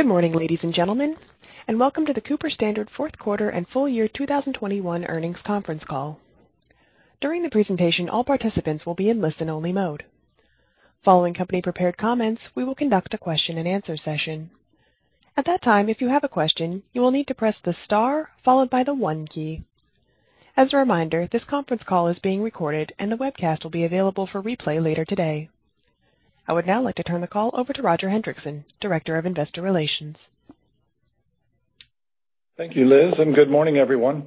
Good morning, ladies and gentlemen, and welcome to the Cooper Standard Fourth Quarter and Full Year 2021 Earnings Conference Call. During the presentation, all participants will be in listen-only mode. Following company-prepared comments, we will conduct a question-and-answer session. At that time, if you have a question, you will need to press the star followed by the one key. As a reminder, this conference call is being recorded, and the webcast will be available for replay later today. I would now like to turn the call over to Roger Hendriksen, Director of Investor Relations. Thank you, Liz, and good morning, everyone.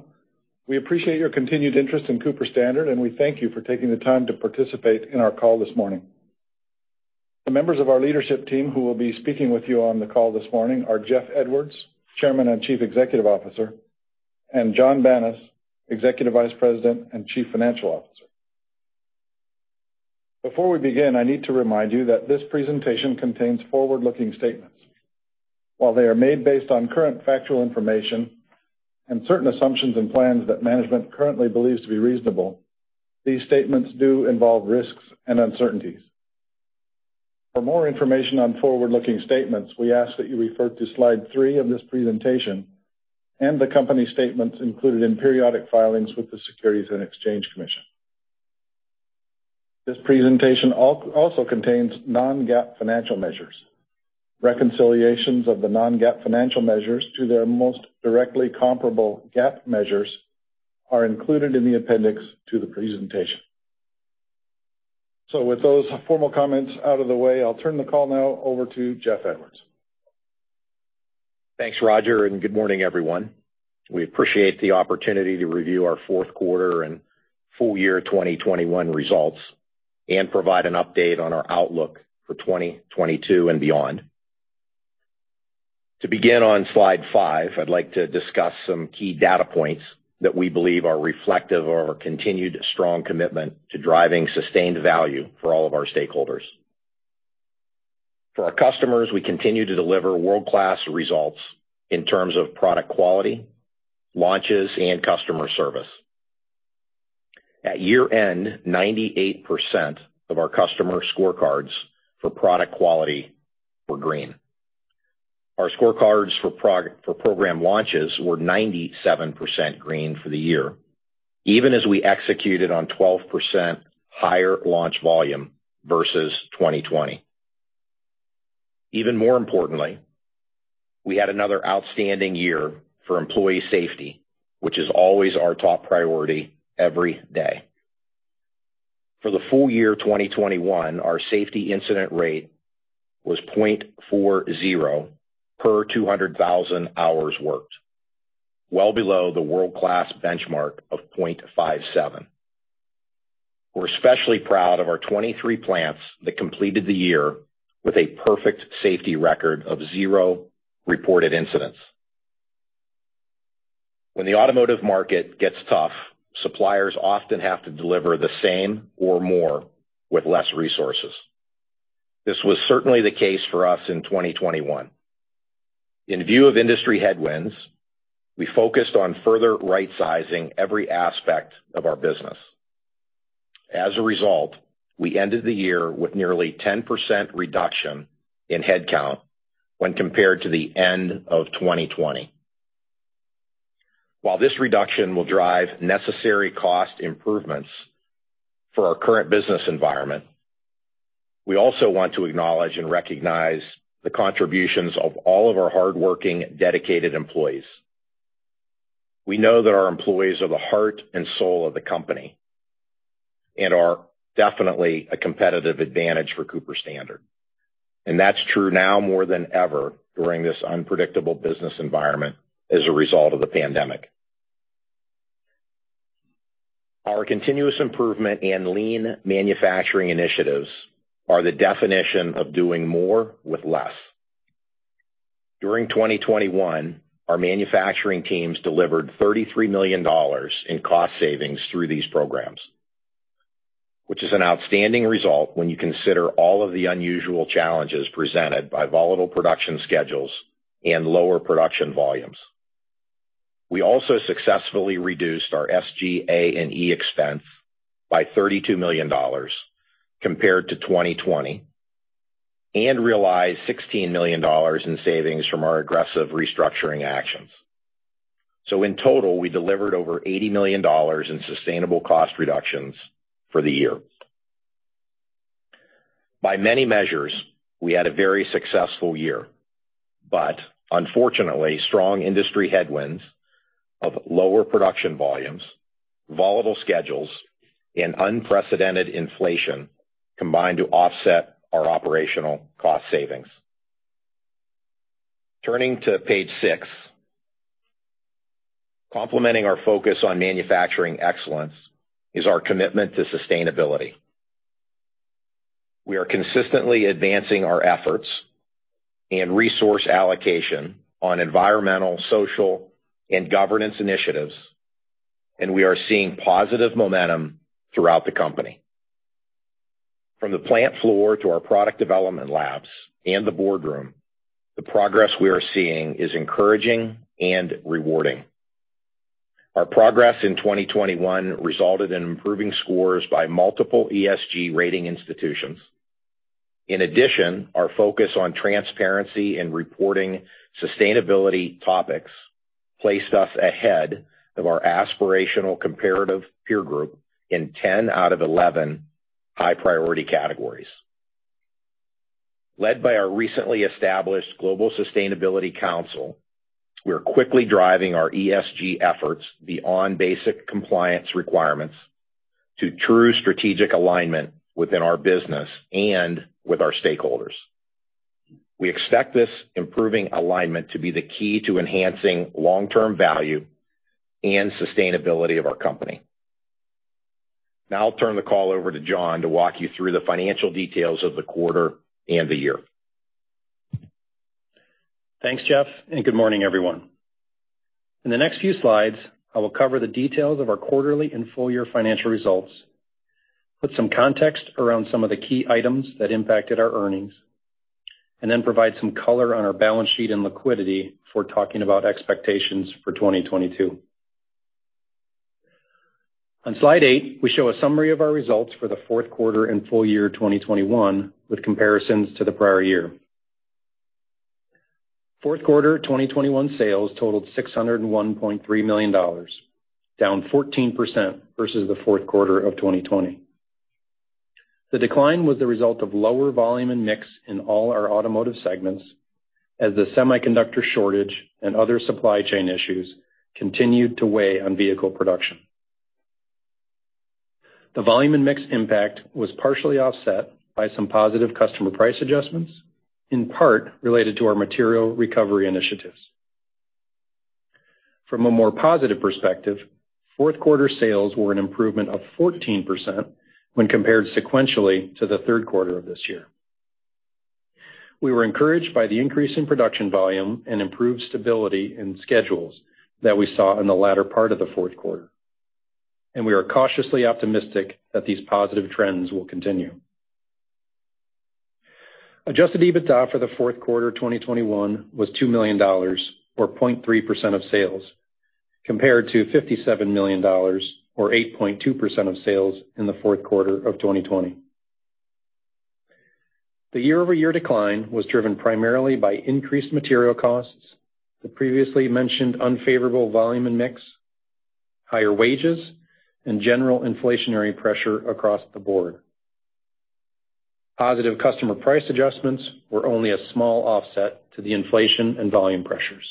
We appreciate your continued interest in Cooper Standard, and we thank you for taking the time to participate in our call this morning. The members of our leadership team who will be speaking with you on the call this morning are Jeff Edwards, Chairman and Chief Executive Officer, and John Banas, Executive Vice President and Chief Financial Officer. Before we begin, I need to remind you that this presentation contains forward-looking statements. While they are made based on current factual information and certain assumptions and plans that management currently believes to be reasonable, these statements do involve risks and uncertainties. For more information on forward-looking statements, we ask that you refer to slide three of this presentation and the company statements included in periodic filings with the Securities and Exchange Commission. This presentation also contains non-GAAP financial measures. Reconciliations of the non-GAAP financial measures to their most directly comparable GAAP measures are included in the appendix to the presentation. With those formal comments out of the way, I'll turn the call now over to Jeff Edwards. Thanks, Roger, and good morning, everyone. We appreciate the opportunity to review our fourth quarter and full year 2021 results and provide an update on our outlook for 2022 and beyond. To begin on slide five, I'd like to discuss some key data points that we believe are reflective of our continued strong commitment to driving sustained value for all of our stakeholders. For our customers, we continue to deliver world-class results in terms of product quality, launches, and customer service. At year-end, 98% of our customer scorecards for product quality were green. Our scorecards for program launches were 97% green for the year, even as we executed on 12% higher launch volume versus 2020. Even more importantly, we had another outstanding year for employee safety, which is always our top priority every day. For the full year 2021, our safety incident rate was 0.40 per 200,000 hours worked, well below the world-class benchmark of 0.57. We're especially proud of our 23 plants that completed the year with a perfect safety record of 0 reported incidents. When the automotive market gets tough, suppliers often have to deliver the same or more with less resources. This was certainly the case for us in 2021. In view of industry headwinds, we focused on further rightsizing every aspect of our business. As a result, we ended the year with nearly 10% reduction in headcount when compared to the end of 2020. While this reduction will drive necessary cost improvements for our current business environment, we also want to acknowledge and recognize the contributions of all of our hardworking, dedicated employees. We know that our employees are the heart and soul of the company and are definitely a competitive advantage for Cooper Standard. That's true now more than ever during this unpredictable business environment as a result of the pandemic. Our continuous improvement and lean manufacturing initiatives are the definition of doing more with less. During 2021, our manufacturing teams delivered $33 million in cost savings through these programs, which is an outstanding result when you consider all of the unusual challenges presented by volatile production schedules and lower production volumes. We also successfully reduced our SGA&E expense by $32 million compared to 2020 and realized $16 million in savings from our aggressive restructuring actions. In total, we delivered over $80 million in sustainable cost reductions for the year. By many measures, we had a very successful year, but unfortunately, strong industry headwinds of lower production volumes, volatile schedules, and unprecedented inflation combined to offset our operational cost savings. Turning to page six. Complementing our focus on manufacturing excellence is our commitment to sustainability. We are consistently advancing our efforts and resource allocation on environmental, social, and governance initiatives, and we are seeing positive momentum throughout the company. From the plant floor to our product development labs and the boardroom, the progress we are seeing is encouraging and rewarding. Our progress in 2021 resulted in improving scores by multiple ESG rating institutions. In addition, our focus on transparency and reporting sustainability topics placed us ahead of our aspirational comparative peer group in 10 out of 11 high priority categories. Led by our recently established Global Sustainability Council, we are quickly driving our ESG efforts beyond basic compliance requirements to true strategic alignment within our business and with our stakeholders. We expect this improving alignment to be the key to enhancing long-term value and sustainability of our company. Now I'll turn the call over to Jonathan P. Banas to walk you through the financial details of the quarter and the year. Thanks, Jeff, and good morning, everyone. In the next few slides, I will cover the details of our quarterly and full year financial results, put some context around some of the key items that impacted our earnings, and then provide some color on our balance sheet and liquidity before talking about expectations for 2022. On slide eight, we show a summary of our results for the fourth quarter and full year 2021, with comparisons to the prior year. Fourth quarter 2021 sales totaled $601.3 million, down 14% versus the fourth quarter of 2020. The decline was the result of lower volume and mix in all our automotive segments as the semiconductor shortage and other supply chain issues continued to weigh on vehicle production. The volume and mix impact was partially offset by some positive customer price adjustments, in part related to our material recovery initiatives. From a more positive perspective, fourth quarter sales were an improvement of 14% when compared sequentially to the third quarter of this year. We were encouraged by the increase in production volume and improved stability in schedules that we saw in the latter part of the fourth quarter. We are cautiously optimistic that these positive trends will continue. Adjusted EBITDA for the fourth quarter 2021 was $2 million or 0.3% of sales, compared to $57 million or 8.2% of sales in the fourth quarter of 2020. The year-over-year decline was driven primarily by increased material costs, the previously mentioned unfavorable volume and mix, higher wages, and general inflationary pressure across the board. Positive customer price adjustments were only a small offset to the inflation and volume pressures.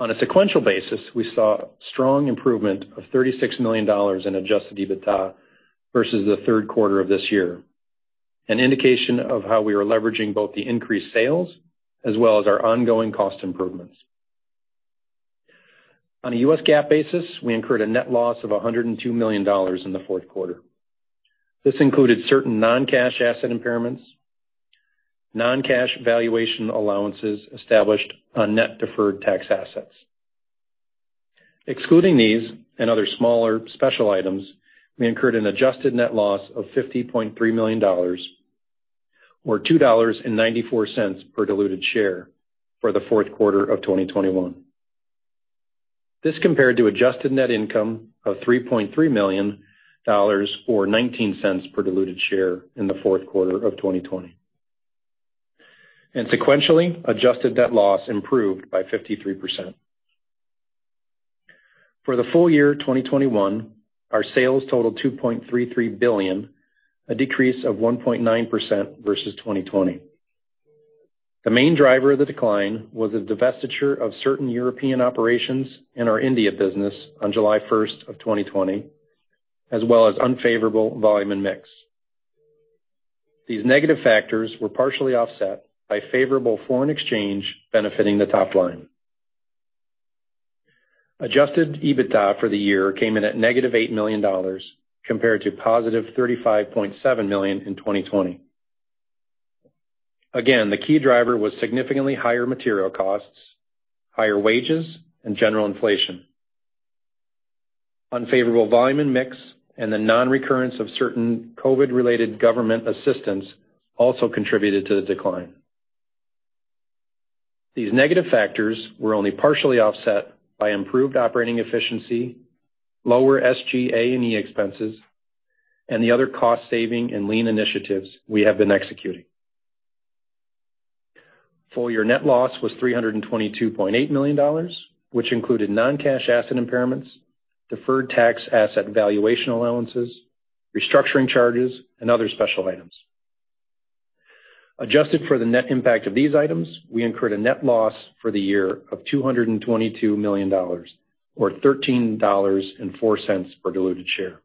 On a sequential basis, we saw strong improvement of $36 million in adjusted EBITDA versus the third quarter of this year, an indication of how we are leveraging both the increased sales as well as our ongoing cost improvements. On a U.S. GAAP basis, we incurred a net loss of $102 million in the fourth quarter. This included certain non-cash asset impairments, non-cash valuation allowances established on net deferred tax assets. Excluding these and other smaller special items, we incurred an adjusted net loss of $50.3 million or $2.94 per diluted share for the fourth quarter of 2021. This compared to adjusted net income of $3.3 million or $0.19 per diluted share in the fourth quarter of 2020. Sequentially, adjusted net loss improved by 53%. For the full year 2021, our sales totaled $2.33 billion, a decrease of 1.9% versus 2020. The main driver of the decline was a divestiture of certain European operations in our India business on July 1, 2020, as well as unfavorable volume and mix. These negative factors were partially offset by favorable foreign exchange benefiting the top line. Adjusted EBITDA for the year came in at -$8 million compared to +$35.7 million in 2020. Again, the key driver was significantly higher material costs, higher wages, and general inflation. Unfavorable volume and mix and the non-recurrence of certain COVID-related government assistance also contributed to the decline. These negative factors were only partially offset by improved operating efficiency, lower SGA&E expenses, and the other cost saving and lean initiatives we have been executing. Full year net loss was $322.8 million, which included non-cash asset impairments, deferred tax asset valuation allowances, restructuring charges and other special items. Adjusted for the net impact of these items, we incurred a net loss for the year of $222 million, or $13.04 per diluted share.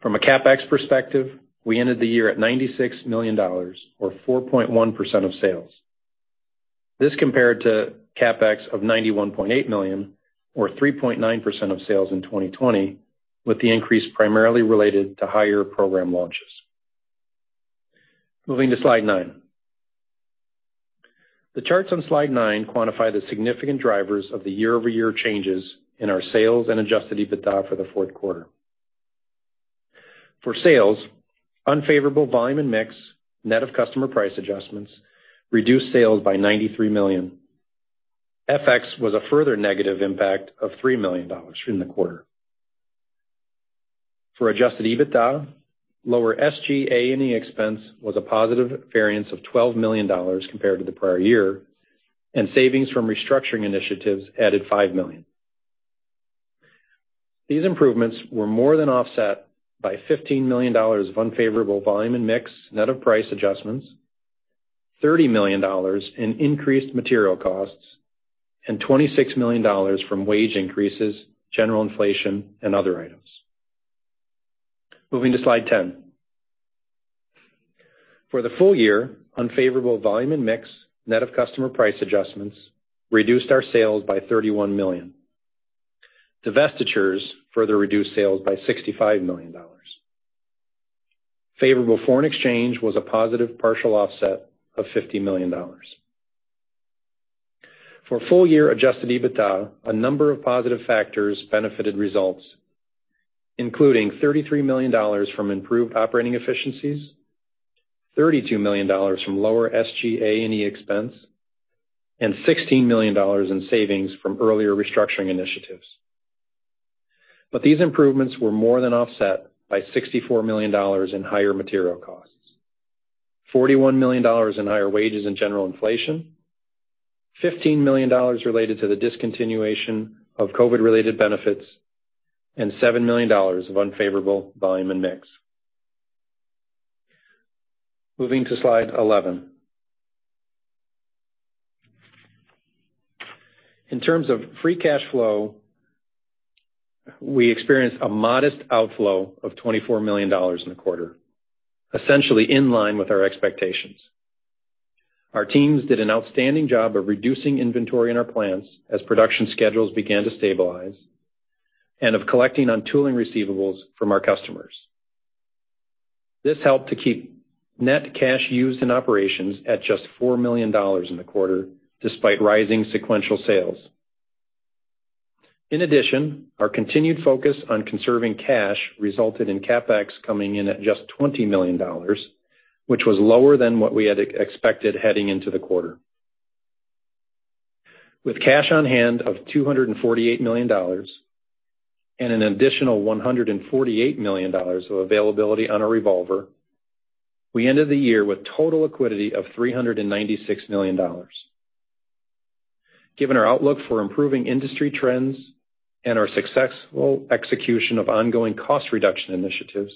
From a CapEx perspective, we ended the year at $96 million or 4.1% of sales. This compared to CapEx of $91.8 million or 3.9% of sales in 2020, with the increase primarily related to higher program launches. Moving to slide nine. The charts on slide nine quantify the significant drivers of the year-over-year changes in our sales and adjusted EBITDA for the fourth quarter. For sales, unfavorable volume and mix, net of customer price adjustments, reduced sales by $93 million. FX was a further negative impact of $3 million in the quarter. For adjusted EBITDA, lower SGA&E expense was a positive variance of $12 million compared to the prior year, and savings from restructuring initiatives added $5 million. These improvements were more than offset by $15 million of unfavorable volume and mix, net of price adjustments, $30 million in increased material costs, and $26 million from wage increases, general inflation, and other items. Moving to slide 10. For the full year, unfavorable volume and mix, net of customer price adjustments, reduced our sales by $31 million. Divestitures further reduced sales by $65 million. Favorable foreign exchange was a positive partial offset of $50 million. For full-year adjusted EBITDA, a number of positive factors benefited results, including $33 million from improved operating efficiencies, $32 million from lower SGA&E expense, and $16 million in savings from earlier restructuring initiatives. These improvements were more than offset by $64 million in higher material costs, $41 million in higher wages and general inflation, $15 million related to the discontinuation of COVID-related benefits, and $7 million of unfavorable volume and mix. Moving to slide 11. In terms of free cash flow, we experienced a modest outflow of $24 million in the quarter, essentially in line with our expectations. Our teams did an outstanding job of reducing inventory in our plants as production schedules began to stabilize and of collecting on tooling receivables from our customers. This helped to keep net cash used in operations at just $4 million in the quarter, despite rising sequential sales. In addition, our continued focus on conserving cash resulted in CapEx coming in at just $20 million, which was lower than what we had expected heading into the quarter. With cash on hand of $248 million and an additional $148 million of availability on our revolver, we ended the year with total liquidity of $396 million. Given our outlook for improving industry trends and our successful execution of ongoing cost reduction initiatives,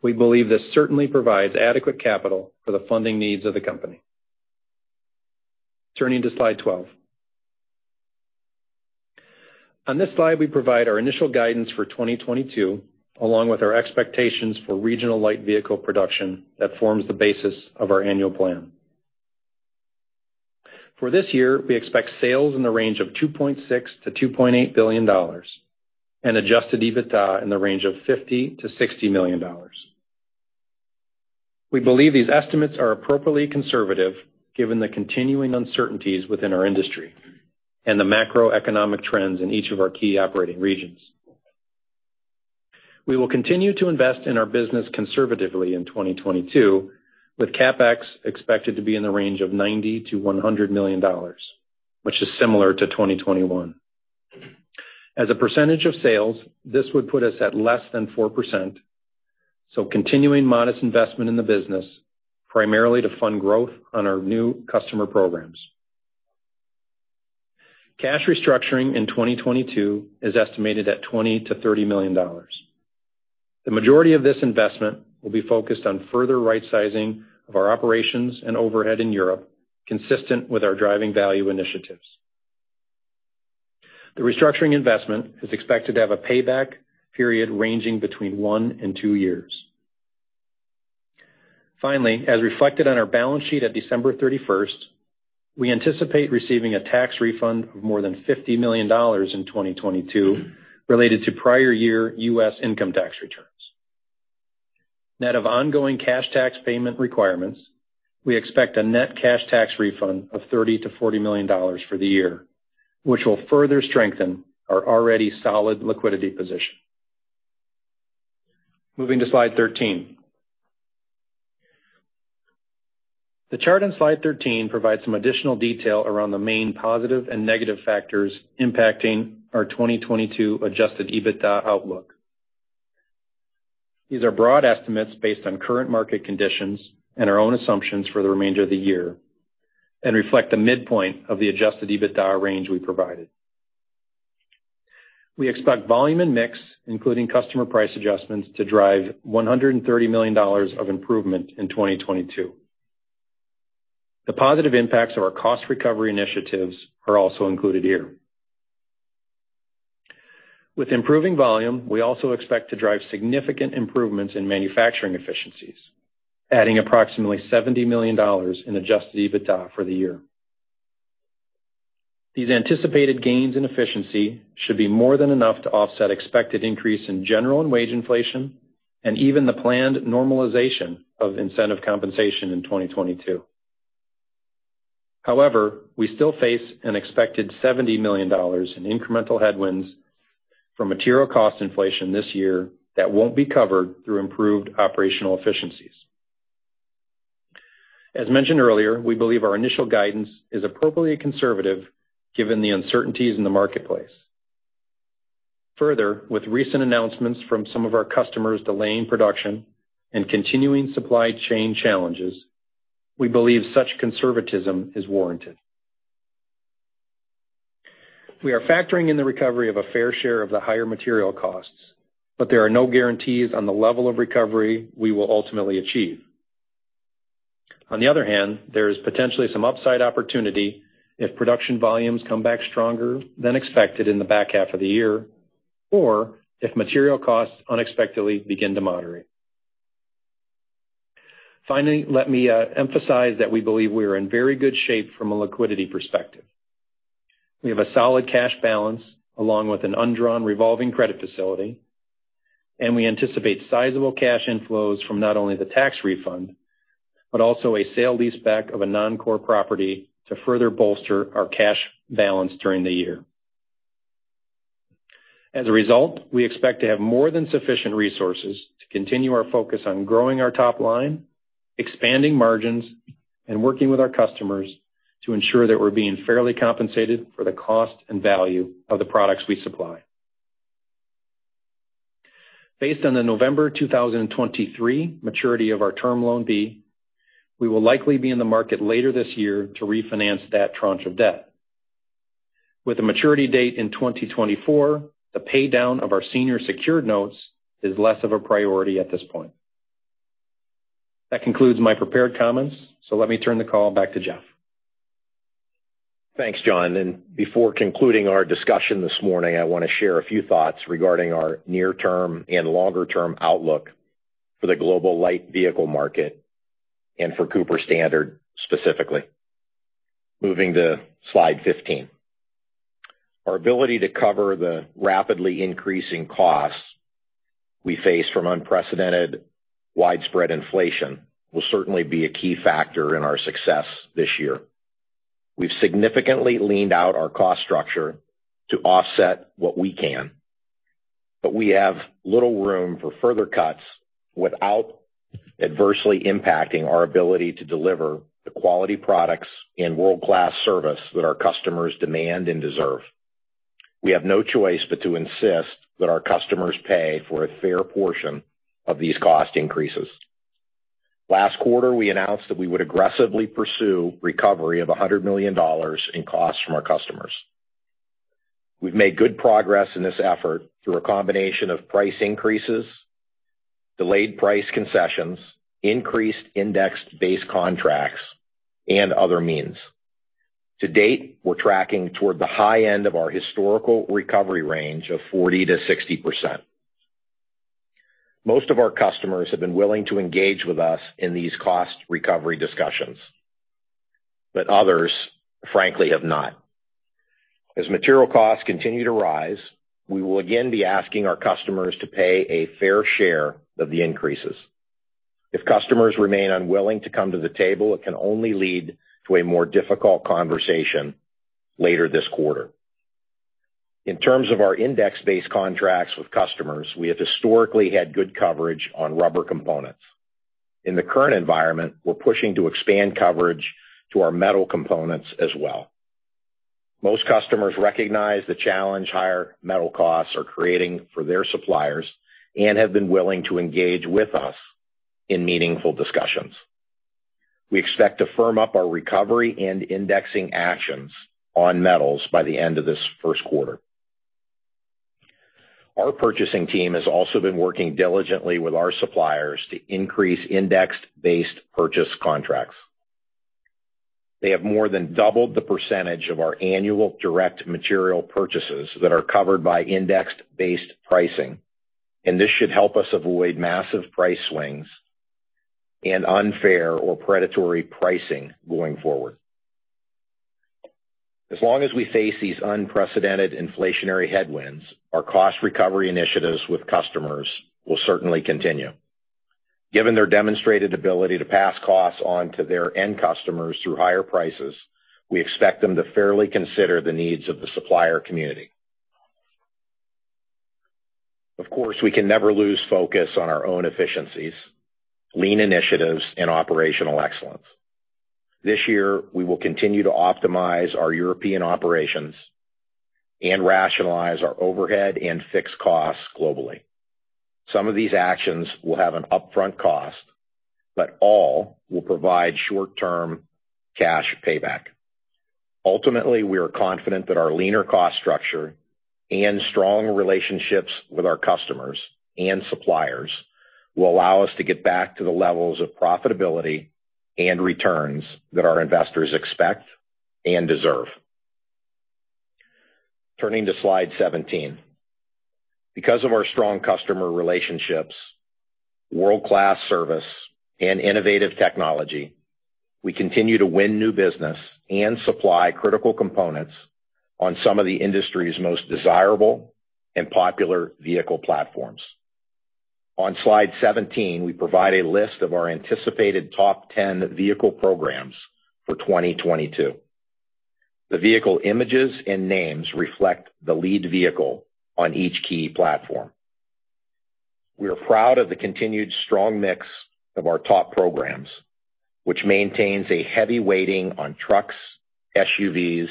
we believe this certainly provides adequate capital for the funding needs of the company. Turning to slide 12. On this slide, we provide our initial guidance for 2022, along with our expectations for regional light vehicle production that forms the basis of our annual plan. For this year, we expect sales in the range of $2.6 billion-$2.8 billion and adjusted EBITDA in the range of $50 million-$60 million. We believe these estimates are appropriately conservative given the continuing uncertainties within our industry and the macroeconomic trends in each of our key operating regions. We will continue to invest in our business conservatively in 2022, with CapEx expected to be in the range of $90 million-$100 million, which is similar to 2021. As a percentage of sales, this would put us at less than 4%, so continuing modest investment in the business, primarily to fund growth on our new customer programs. Cash restructuring in 2022 is estimated at $20 million-$30 million. The majority of this investment will be focused on further rightsizing of our operations and overhead in Europe, consistent with our driving value initiatives. The restructuring investment is expected to have a payback period ranging between one and two years. Finally, as reflected on our balance sheet at December 31, we anticipate receiving a tax refund of more than $50 million in 2022 related to prior year U.S. income tax returns. Net of ongoing cash tax payment requirements, we expect a net cash tax refund of $30 million-$40 million for the year, which will further strengthen our already solid liquidity position. Moving to slide 13. The chart on slide 13 provides some additional detail around the main positive and negative factors impacting our 2022 adjusted EBITDA outlook. These are broad estimates based on current market conditions and our own assumptions for the remainder of the year and reflect the midpoint of the adjusted EBITDA range we provided. We expect volume and mix, including customer price adjustments, to drive $130 million of improvement in 2022. The positive impacts of our cost recovery initiatives are also included here. With improving volume, we also expect to drive significant improvements in manufacturing efficiencies, adding approximately $70 million in adjusted EBITDA for the year. These anticipated gains in efficiency should be more than enough to offset expected increase in general and wage inflation and even the planned normalization of incentive compensation in 2022. However, we still face an expected $70 million in incremental headwinds from material cost inflation this year that won't be covered through improved operational efficiencies. As mentioned earlier, we believe our initial guidance is appropriately conservative given the uncertainties in the marketplace. Further, with recent announcements from some of our customers delaying production and continuing supply chain challenges, we believe such conservatism is warranted. We are factoring in the recovery of a fair share of the higher material costs, but there are no guarantees on the level of recovery we will ultimately achieve. On the other hand, there is potentially some upside opportunity if production volumes come back stronger than expected in the back half of the year, or if material costs unexpectedly begin to moderate. Finally, let me emphasize that we believe we are in very good shape from a liquidity perspective. We have a solid cash balance along with an undrawn revolving credit facility, and we anticipate sizable cash inflows from not only the tax refund, but also a sale leaseback of a non-core property to further bolster our cash balance during the year. As a result, we expect to have more than sufficient resources to continue our focus on growing our top line, expanding margins, and working with our customers to ensure that we're being fairly compensated for the cost and value of the products we supply. Based on the November 2023 maturity of our Term Loan B, we will likely be in the market later this year to refinance that tranche of debt. With a maturity date in 2024, the paydown of our senior secured notes is less of a priority at this point. That concludes my prepared comments, so let me turn the call back to Jeff. Thanks, John. Before concluding our discussion this morning, I wanna share a few thoughts regarding our near-term and longer-term outlook for the global light vehicle market and for Cooper Standard specifically. Moving to slide 15. Our ability to cover the rapidly increasing costs we face from unprecedented widespread inflation will certainly be a key factor in our success this year. We've significantly leaned out our cost structure to offset what we can, but we have little room for further cuts without adversely impacting our ability to deliver the quality products and world-class service that our customers demand and deserve. We have no choice but to insist that our customers pay for a fair portion of these cost increases. Last quarter, we announced that we would aggressively pursue recovery of $100 million in costs from our customers. We've made good progress in this effort through a combination of price increases, delayed price concessions, increased indexed base contracts, and other means. To date, we're tracking toward the high end of our historical recovery range of 40%-60%. Most of our customers have been willing to engage with us in these cost recovery discussions, but others, frankly, have not. As material costs continue to rise, we will again be asking our customers to pay a fair share of the increases. If customers remain unwilling to come to the table, it can only lead to a more difficult conversation later this quarter. In terms of our index-based contracts with customers, we have historically had good coverage on rubber components. In the current environment, we're pushing to expand coverage to our metal components as well. Most customers recognize the challenge higher metal costs are creating for their suppliers and have been willing to engage with us in meaningful discussions. We expect to firm up our recovery and indexing actions on metals by the end of this first quarter. Our purchasing team has also been working diligently with our suppliers to increase index-based purchase contracts. They have more than doubled the percentage of our annual direct material purchases that are covered by index-based pricing, and this should help us avoid massive price swings and unfair or predatory pricing going forward. As long as we face these unprecedented inflationary headwinds, our cost recovery initiatives with customers will certainly continue. Given their demonstrated ability to pass costs on to their end customers through higher prices, we expect them to fairly consider the needs of the supplier community. Of course, we can never lose focus on our own efficiencies, lean initiatives, and operational excellence. This year, we will continue to optimize our European operations and rationalize our overhead and fixed costs globally. Some of these actions will have an upfront cost, but all will provide short-term cash payback. Ultimately, we are confident that our leaner cost structure and strong relationships with our customers and suppliers will allow us to get back to the levels of profitability and returns that our investors expect and deserve. Turning to slide 17. Because of our strong customer relationships, world-class service, and innovative technology, we continue to win new business and supply critical components on some of the industry's most desirable and popular vehicle platforms. On slide 17, we provide a list of our anticipated top 10 vehicle programs for 2022. The vehicle images and names reflect the lead vehicle on each key platform. We are proud of the continued strong mix of our top programs, which maintains a heavy weighting on trucks, SUVs,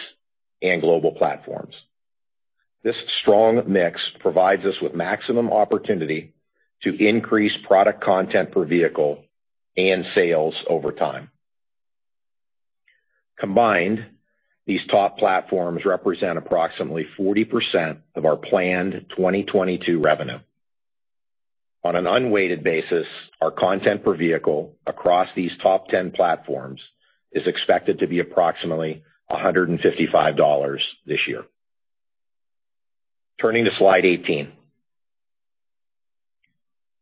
and global platforms. This strong mix provides us with maximum opportunity to increase product content per vehicle and sales over time. Combined, these top platforms represent approximately 40% of our planned 2022 revenue. On an unweighted basis, our content per vehicle across these top 10 platforms is expected to be approximately $155 this year. Turning to slide 18.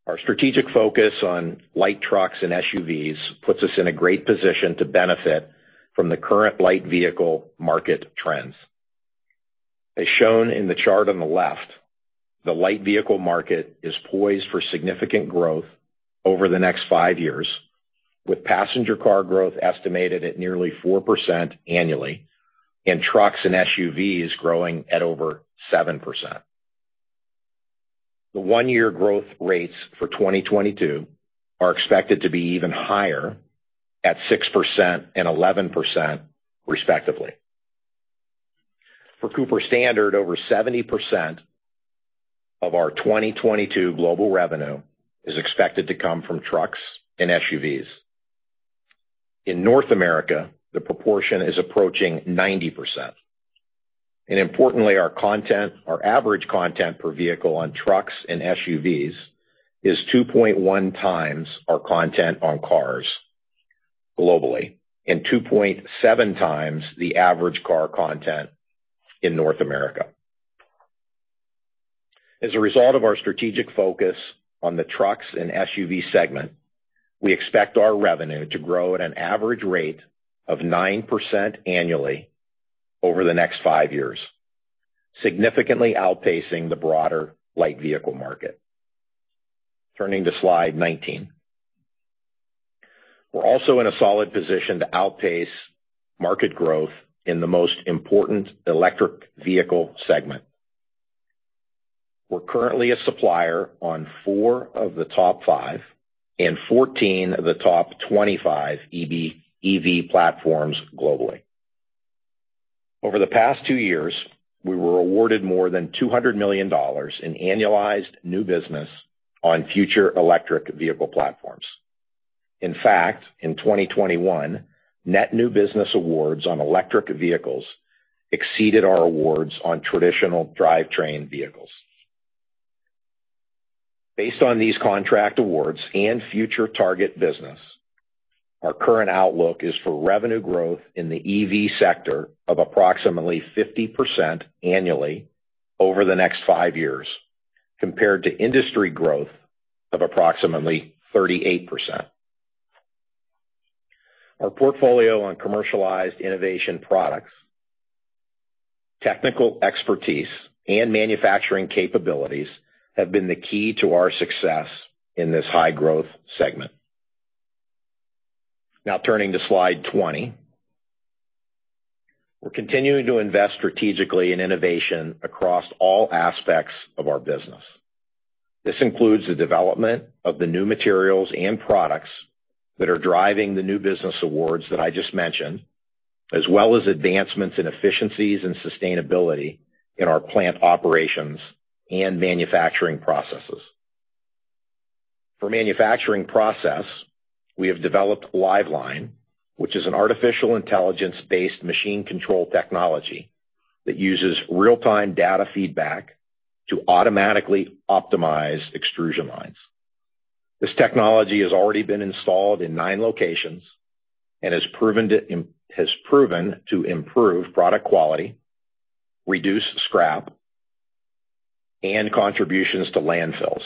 Our strategic focus on light trucks and SUVs puts us in a great position to benefit from the current light vehicle market trends. As shown in the chart on the left, the light vehicle market is poised for significant growth over the next five years, with passenger car growth estimated at nearly 4% annually and trucks and SUVs growing at over 7%. The one-year growth rates for 2022 are expected to be even higher at 6% and 11% respectively. For Cooper Standard, over 70% of our 2022 global revenue is expected to come from trucks and SUVs. In North America, the proportion is approaching 90%. Importantly, our content, our average content per vehicle on trucks and SUVs is 2.1x our content on cars globally and 2.7x the average car content in North America. As a result of our strategic focus on the trucks and SUV segment, we expect our revenue to grow at an average rate of 9% annually over the next 5 years, significantly outpacing the broader light vehicle market. Turning to slide 19. We're also in a solid position to outpace market growth in the most important electric vehicle segment. We're currently a supplier on four of the top five, and 14 of the top 25 EV platforms globally. Over the past two years, we were awarded more than $200 million in annualized new business on future electric vehicle platforms. In fact, in 2021, net new business awards on electric vehicles exceeded our awards on traditional drivetrain vehicles. Based on these contract awards and future target business, our current outlook is for revenue growth in the EV sector of approximately 50% annually over the next five years, compared to industry growth of approximately 38%. Our portfolio of commercialized innovation products, technical expertise, and manufacturing capabilities have been the key to our success in this high-growth segment. Now turning to slide 20. We're continuing to invest strategically in innovation across all aspects of our business. This includes the development of the new materials and products that are driving the new business awards that I just mentioned, as well as advancements in efficiencies and sustainability in our plant operations and manufacturing processes. For manufacturing process, we have developed Liveline, which is an artificial intelligence-based machine control technology that uses real-time data feedback to automatically optimize extrusion lines. This technology has already been installed in nine locations and has proven to improve product quality, reduce scrap and contributions to landfills,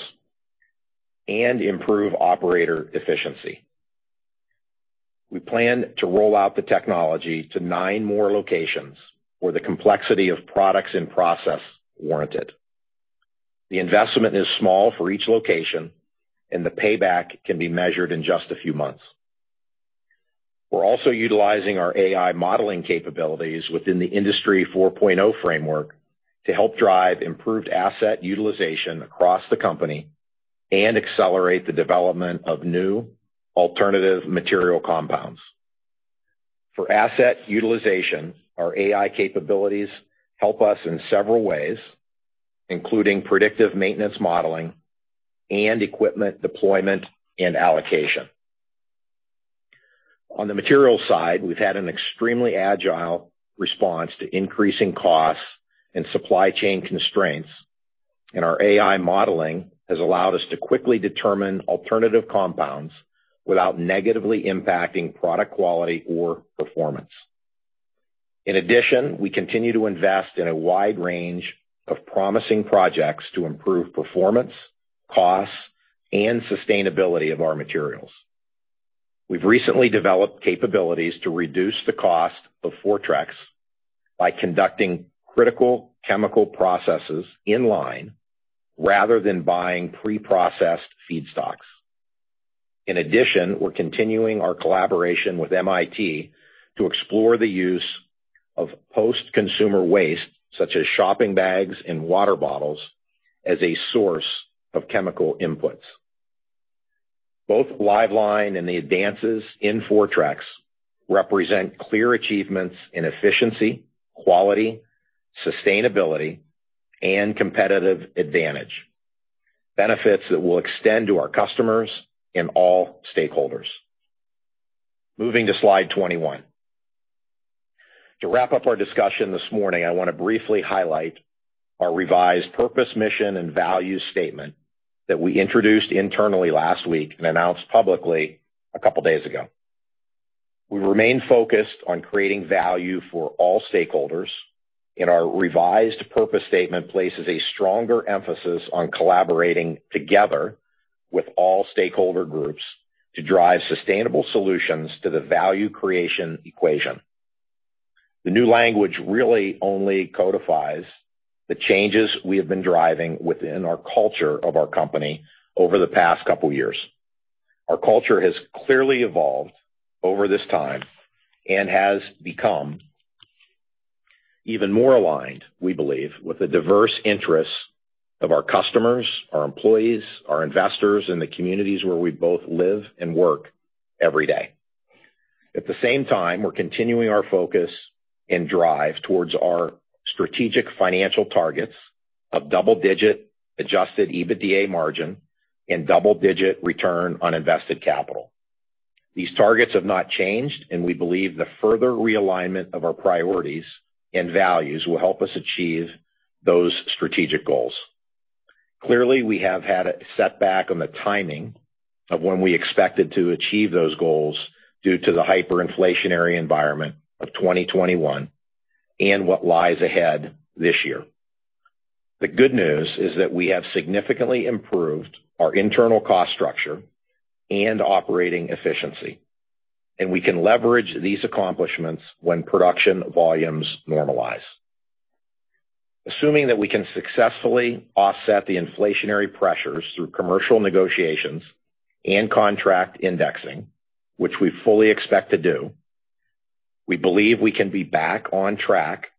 and improve operator efficiency. We plan to roll out the technology to nine more locations where the complexity of products and process warrant it. The investment is small for each location, and the payback can be measured in just a few months. We're also utilizing our AI modeling capabilities within the Industry 4.0 framework to help drive improved asset utilization across the company and accelerate the development of new alternative material compounds. For asset utilization, our AI capabilities help us in several ways, including predictive maintenance modeling and equipment deployment and allocation. On the material side, we've had an extremely agile response to increasing costs and supply chain constraints, and our AI modeling has allowed us to quickly determine alternative compounds without negatively impacting product quality or performance. In addition, we continue to invest in a wide range of promising projects to improve performance, costs, and sustainability of our materials. We've recently developed capabilities to reduce the cost of Fortrex by conducting critical chemical processes in line rather than buying pre-processed feedstocks. In addition, we're continuing our collaboration with MIT to explore the use of post-consumer waste, such as shopping bags and water bottles, as a source of chemical inputs. Both Liveline and the advances in Fortrex represent clear achievements in efficiency, quality, sustainability, and competitive advantage, benefits that will extend to our customers and all stakeholders. Moving to slide 21. To wrap up our discussion this morning, I wanna briefly highlight our revised purpose, mission, and value statement that we introduced internally last week and announced publicly a couple days ago. We remain focused on creating value for all stakeholders, and our revised purpose statement places a stronger emphasis on collaborating together with all stakeholder groups to drive sustainable solutions to the value creation equation. The new language really only codifies the changes we have been driving within our culture of our company over the past couple years. Our culture has clearly evolved over this time and has become even more aligned, we believe, with the diverse interests of our customers, our employees, our investors in the communities where we both live and work every day. At the same time, we're continuing our focus and drive towards our strategic financial targets of double-digit adjusted EBITDA margin and double-digit return on invested capital. These targets have not changed, and we believe the further realignment of our priorities and values will help us achieve those strategic goals. Clearly, we have had a setback on the timing of when we expected to achieve those goals due to the hyperinflationary environment of 2021 and what lies ahead this year. The good news is that we have significantly improved our internal cost structure and operating efficiency, and we can leverage these accomplishments when production volumes normalize. Assuming that we can successfully offset the inflationary pressures through commercial negotiations and contract indexing, which we fully expect to do, we believe we can be back on track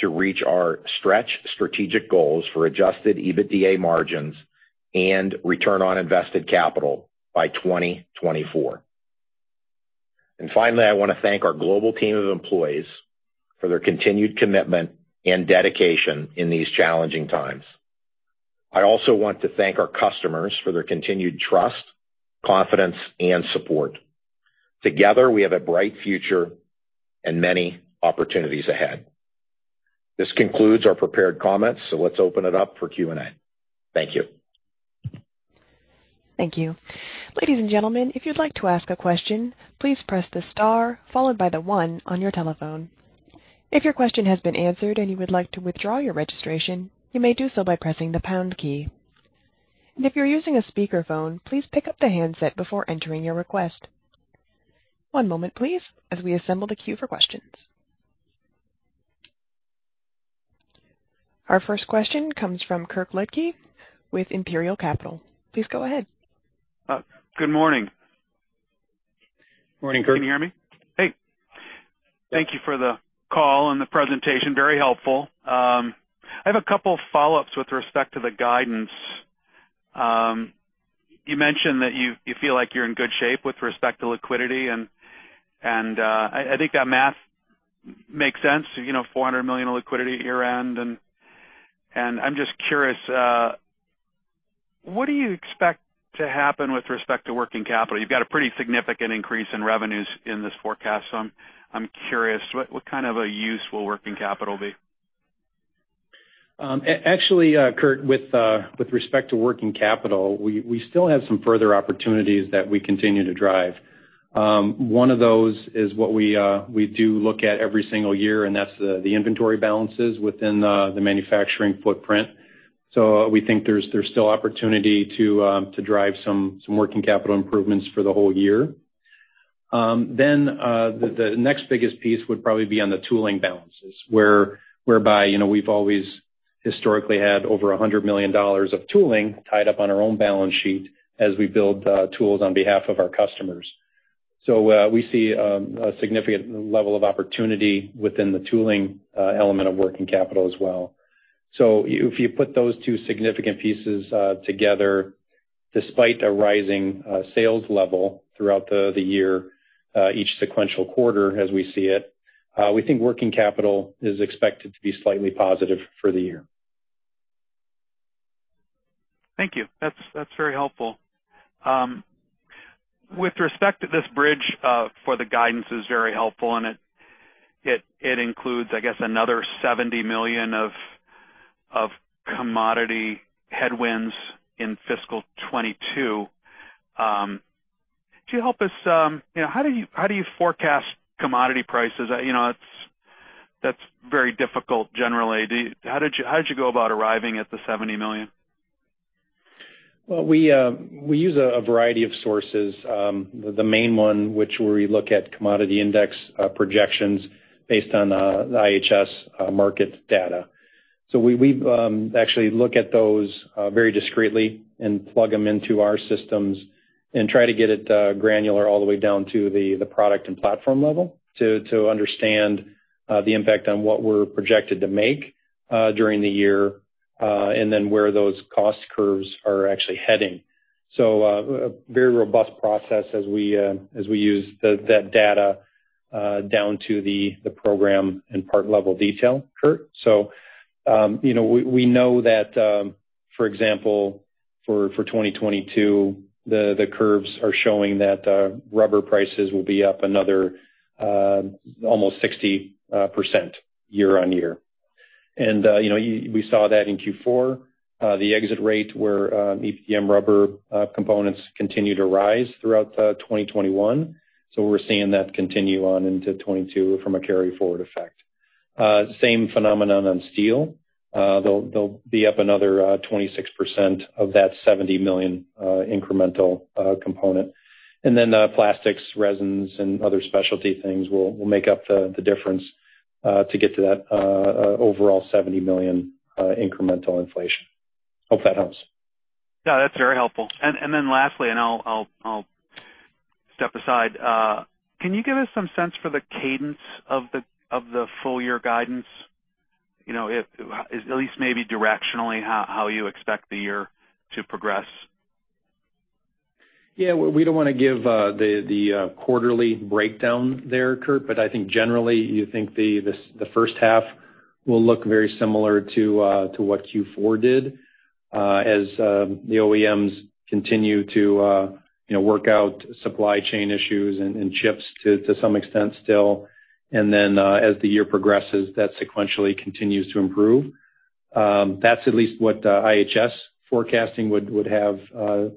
to reach our stretch strategic goals for adjusted EBITDA margins and return on invested capital by 2024. Finally, I wanna thank our global team of employees for their continued commitment and dedication in these challenging times. I also want to thank our customers for their continued trust, confidence, and support. Together, we have a bright future and many opportunities ahead. This concludes our prepared comments, so let's open it up for Q&A. Thank you. Thank you. Ladies and gentlemen, if you'd like to ask a question, please press the star followed by the one on your telephone. If your question has been answered and you would like to withdraw your registration, you may do so by pressing the pound key. If you're using a speakerphone, please pick up the handset before entering your request. One moment please, as we assemble the queue for questions. Our first question comes from Kirk Ludtke with Imperial Capital. Please go ahead. Good morning. Morning, Kirk. Can you hear me? Hey. Thank you for the call and the presentation. Very helpful. I have a couple follow-ups with respect to the guidance. You mentioned that you feel like you're in good shape with respect to liquidity and I think that math makes sense, you know, $400 million of liquidity at year-end. I'm just curious, what do you expect to happen with respect to working capital? You've got a pretty significant increase in revenues in this forecast. I'm curious, what kind of a use will working capital be? Actually, Kirk, with respect to working capital, we still have some further opportunities that we continue to drive. One of those is what we do look at every single year, and that's the inventory balances within the manufacturing footprint. We think there's still opportunity to drive some working capital improvements for the whole year. The next biggest piece would probably be on the tooling balances, whereby, you know, we've always historically had over $100 million of tooling tied up on our own balance sheet as we build tools on behalf of our customers. We see a significant level of opportunity within the tooling element of working capital as well. If you put those two significant pieces together, despite a rising sales level throughout the year, each sequential quarter as we see it, we think working capital is expected to be slightly positive for the year. Thank you. That's very helpful. With respect to this bridge to the guidance is very helpful, and it includes, I guess, another $70 million of commodity headwinds in fiscal 2022. Could you help us, you know, how do you forecast commodity prices? You know, it's- that's very difficult generally. How did you go about arriving at the $70 million? Well, we use a variety of sources. The main one which we look at commodity index projections based on the IHS Markit data. We actually look at those discretely and plug them into our systems and try to get it granular all the way down to the product and platform level to understand the impact on what we're projected to make during the year and then where those cost curves are actually heading. A very robust process as we use that data down to the program and part level detail, Kirk. You know, we know that, for example, for 2022, the curves are showing that rubber prices will be up another almost 60% year-on-year. You know, we saw that in Q4 the exit rate where EPDM rubber components continued to rise throughout 2021. We're seeing that continue on into 2022 from a carry forward effect. Same phenomenon on steel- they'll be up another 26% of that $70 million incremental component. Plastics, resins, and other specialty things will make up the difference to get to that overall $70 million incremental inflation. Hope that helps. Yeah, that's very helpful. Then lastly, I'll step aside. Can you give us some sense for the cadence of the full year guidance? At least maybe directionally, how you expect the year to progress? Yeah, we don't wanna give the quarterly breakdown there, Kirk, but I think generally you think the first half will look very similar to what Q4 did, as the OEMs continue to you know, work out supply chain issues and chips to some extent still. As the year progresses, that sequentially continues to improve. That's at least what IHS forecasting would have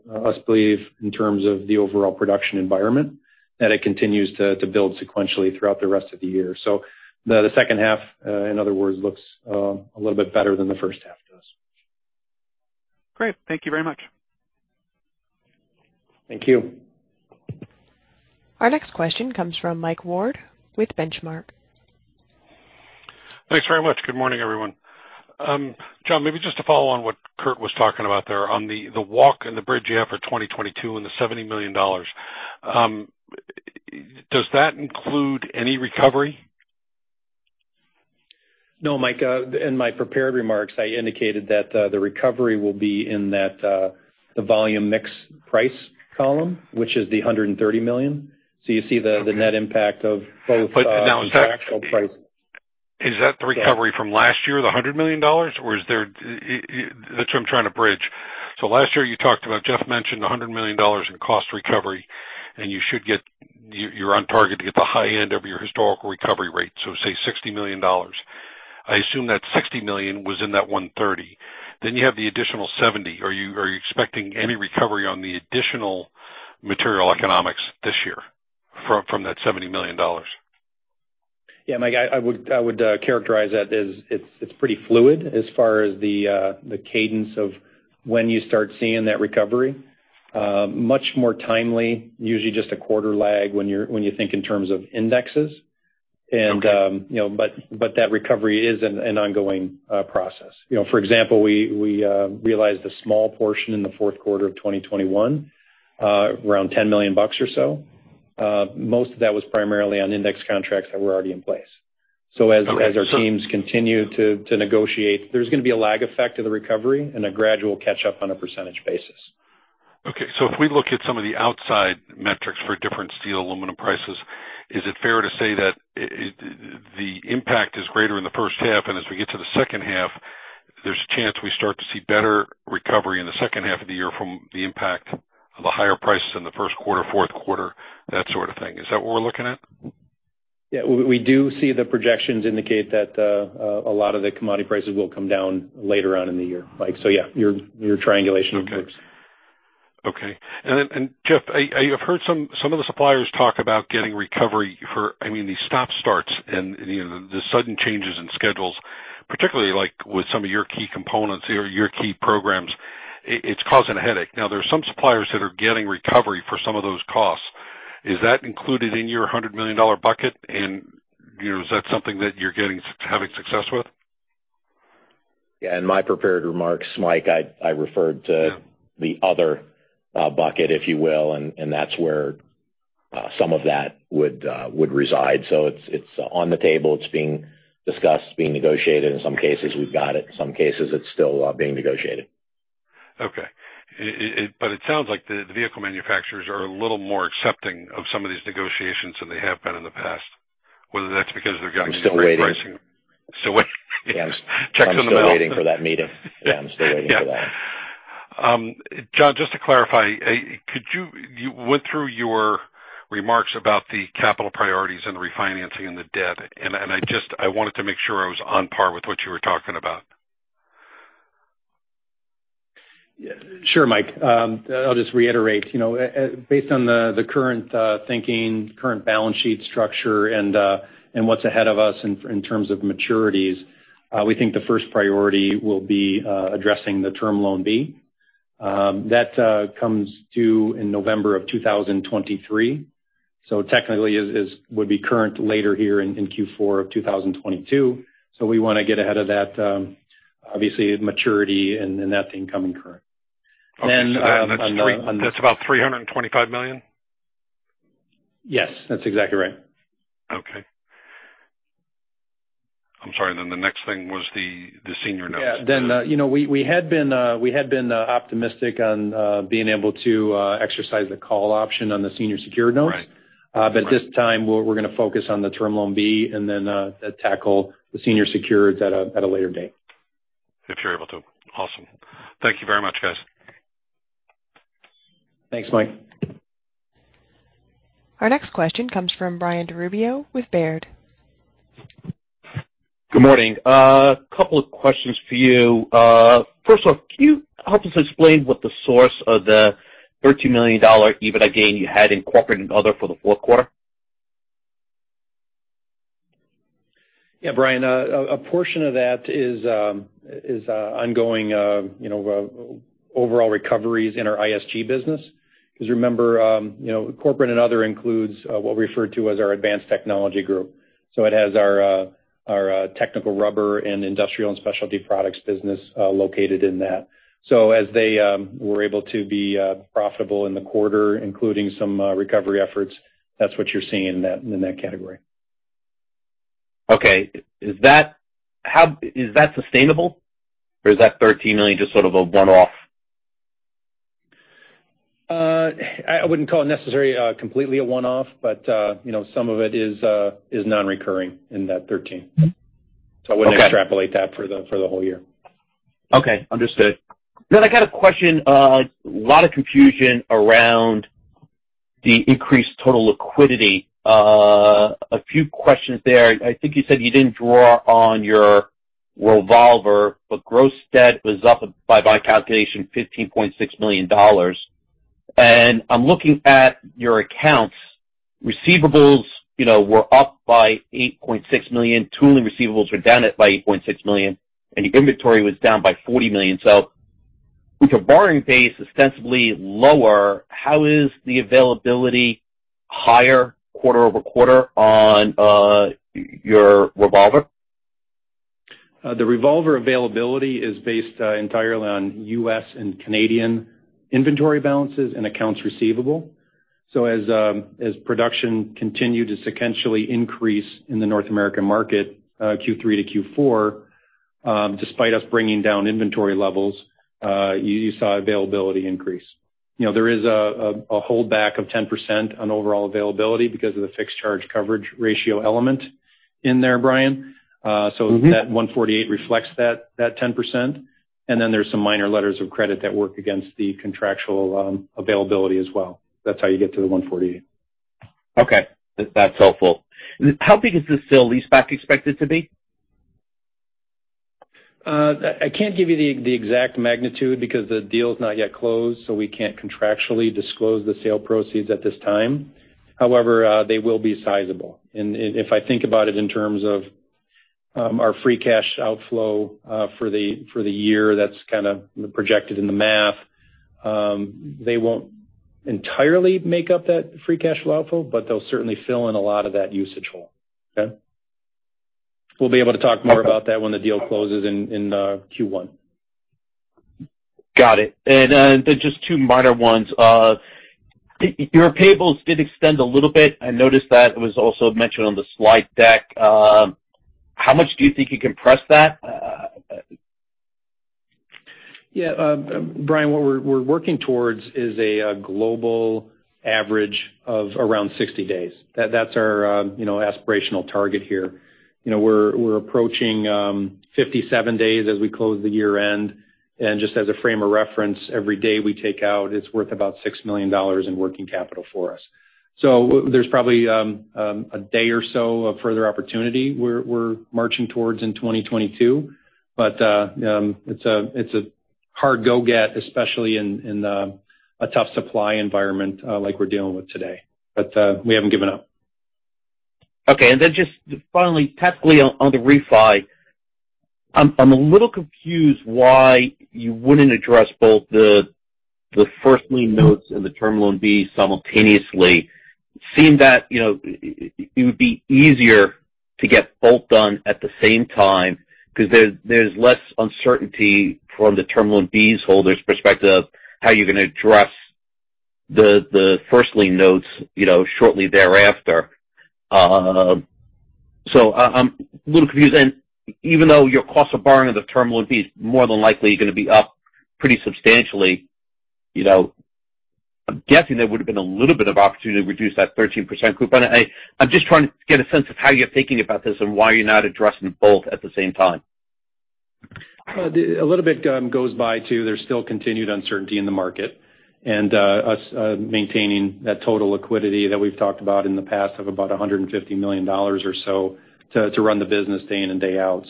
us believe in terms of the overall production environment, that it continues to build sequentially throughout the rest of the year. The second half, in other words, looks a little bit better than the first half does. Great. Thank you very much. Thank you. Our next question comes from Mike Ward with Benchmark. Thanks very much. Good morning, everyone. John, maybe just to follow on what Kurt was talking about there on the walk and the bridge you have for 2022 and the $70 million. Does that include any recovery? No, Mike. In my prepared remarks, I indicated that the recovery will be in that the volume mix price column, which is $130 million. So you see the net impact of both- Now, in that- impact of price. Is that the recovery from last year, the $100 million, or is there? That's what I'm trying to bridge. Last year you talked about, Jeff mentioned a $100 million in cost recovery, and you're on target to get the high end of your historical recovery rate. Say $60 million. I assume that $60 million was in that $130 million. You have the additional $70 million. Are you expecting any recovery on the additional material economics this year from that $70 million? Yeah, Mike, I would characterize that as it's pretty fluid as far as the cadence of when you start seeing that recovery. Much more timely, usually just a quarter lag when you think in terms of indexes. You know, but that recovery is an ongoing process. You know, for example, we realized a small portion in the fourth quarter of 2021, around $10 million or so. Most of that was primarily on index contracts that were already in place. As our teams continue to negotiate, there's gonna be a lag effect to the recovery and a gradual catch-up on a percentage basis. Okay. If we look at some of the outside metrics for different steel, aluminum prices, is it fair to say that the impact is greater in the first half, and as we get to the second half, there's a chance we start to see better recovery in the second half of the year from the impact of the higher prices in the first quarter, fourth quarter, that sort of thing? Is that what we're looking at? Yeah. We do see the projections indicate that a lot of the commodity prices will come down later on in the year, Mike. Yeah, your triangulation works. Jeff, I have heard some of the suppliers talk about getting recovery for, I mean, these stop-starts and, you know, the sudden changes in schedules, particularly like with some of your key components or your key programs, it's causing a headache. Now, there are some suppliers that are getting recovery for some of those costs. Is that included in your $100 million bucket? You know, is that something that you're having success with? Yeah, in my prepared remarks, Mike, I referred to the other bucket, if you will, and that's where some of that would reside. It's on the table. It's being discussed, it's being negotiated. In some cases, we've got it. In some cases, it's still being negotiated. It sounds like the vehicle manufacturers are a little more accepting of some of these negotiations than they have been in the past, whether that's because they've gotten... I'm still waiting. ...stable pricing. Still waiting. Check's in the mail. I'm still waiting for that meeting. Yeah, I'm still waiting for that. Yeah. John, just to clarify, you went through your remarks about the capital priorities and the refinancing and the debt, and I just wanted to make sure I was on par with what you were talking about. Yeah. Sure, Mike. I'll just reiterate, you know, based on the current thinking, current balance sheet structure and what's ahead of us in terms of maturities, we think the first priority will be addressing the Term Loan B. That comes due in November of 2023. So technically it would be current later here in Q4 of 2022. So we wanna get ahead of that, obviously maturity and that thing coming current. Okay. That's about $325 million? Yes, that's exactly right. Okay. I'm sorry, then the next thing was the senior notes. Yeah, you know, we had been optimistic on being able to exercise the call option on the senior secured notes. This time we're gonna focus on the Term Loan B and then tackle the senior secured notes at a later date. If you're able to. Awesome. Thank you very much, guys. Thanks, Mike. Our next question comes from Brian DiRubbio with Baird. Good morning. Couple of questions for you. First off, can you help us explain what the source of the $13 million EBITDA gain you had in corporate and other for the fourth quarter? Yeah, Brian, a portion of that is ongoing, you know, overall recoveries in our ISG business. 'Cause remember, you know, corporate and other includes what we refer to as our Advanced Technology Group. It has our technical rubber and industrial and specialty products business located in that. As they were able to be profitable in the quarter, including some recovery efforts, that's what you're seeing in that category. Okay. Is that sustainable or is that $13 million just sort of a one-off? I wouldn't call it necessarily completely a one-off, but you know, some of it is non-recurring in that $13 million. Okay. I wouldn't extrapolate that for the whole year. Okay. Understood. I got a question, lot of confusion around the increased total liquidity- a few questions there. I think you said you didn't draw on your revolver, but gross debt was up by my calculation $15.6 million. And I'm looking at your accounts receivable, you know, were up by $8.6 million. Tooling receivables were down by $8.6 million, and your inventory was down by $40 million. With your borrowing base ostensibly lower, how is the availability higher quarter-over-quarter on your revolver? The revolver availability is based entirely on U.S. and Canadian inventory balances and accounts receivable. As production continued to sequentially increase in the North American market, Q3 to Q4, despite us bringing down inventory levels, you saw availability increase. You know, there is a holdback of 10% on overall availability because of the fixed charge coverage ratio element in there, Brian. That $148 million reflects that 10%. There's some minor letters of credit that work against the contractual availability as well. That's how you get to the $148 million. Okay. That's helpful. How big is the sale-leaseback expected to be? I can't give you the exact magnitude because the deal's not yet closed, so we can't contractually disclose the sale proceeds at this time. However, they will be sizable. If I think about it in terms of our free cash outflow for the year, that's kinda projected in the math, they won't entirely make up that free cash flow outflow, but they'll certainly fill in a lot of that usage hole. Okay? We'll be able to talk more about that when the deal closes in Q1. Got it. Just two minor ones. Your payables did extend a little bit- I noticed that it was also mentioned on the slide deck. How much do you think you can press that? Yeah, Brian, what we're working towards is a global average of around 60 days. That's our, you know, aspirational target here. You know, we're approaching 57 days as we close the year-end. Just as a frame of reference, every day we take out, it's worth about $6 million in working capital for us. So there's probably a day or so of further opportunity we're marching towards in 2022, but it's a hard go get, especially in a tough supply environment like we're dealing with today. We haven't given up. Okay. Then just finally, technically on the refi, I'm a little confused why you wouldn't address both the first lien notes and the Term Loan B simultaneously. It seemed that, you know, it would be easier to get both done at the same time 'cause there's less uncertainty from the Term Loan B's holder's perspective, how you're gonna address the first lien notes, you know, shortly thereafter. I'm a little confused. Even though your cost of borrowing of the Term Loan B is more than likely gonna be up pretty substantially, you know, I'm guessing there would've been a little bit of opportunity to reduce that 13% coupon. I'm just trying to get a sense of how you're thinking about this and why you're not addressing both at the same time. A little bit goes by, too. There's still continued uncertainty in the market and us maintaining that total liquidity that we've talked about in the past of about $150 million or so to run the business day in and day out.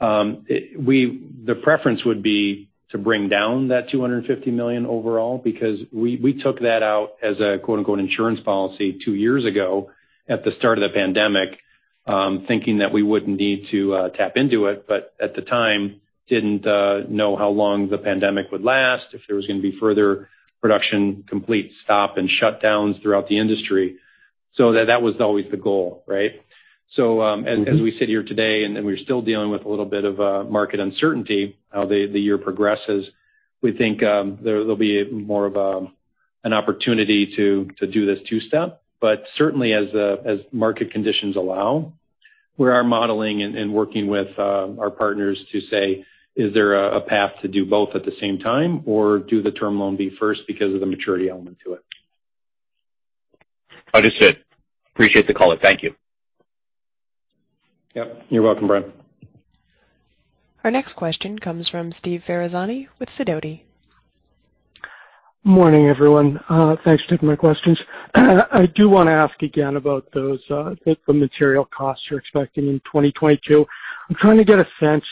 The preference would be to bring down that $250 million overall because we took that out as a quote-unquote insurance policy two years ago at the start of the pandemic. Thinking that we wouldn't need to tap into it, but at the time didn't know how long the pandemic would last, if there was gonna be further production complete stop and shutdowns throughout the industry. That was always the goal, right? As we sit here today, and then we're still dealing with a little bit of market uncertainty how the year progresses, we think there will be more of an opportunity to do this two-step. Certainly as market conditions allow, we are modeling and working with our partners to say, is there a path to do both at the same time or do the Term Loan B first because of the maturity element to it? Understood. Appreciate the call. Thank you. Yep, you're welcome, Brian. Our next question comes from Steve Ferazani with Sidoti. Morning, everyone. Thanks for taking my questions. I do wanna ask again about those, I think the material costs you're expecting in 2022. I'm trying to get a sense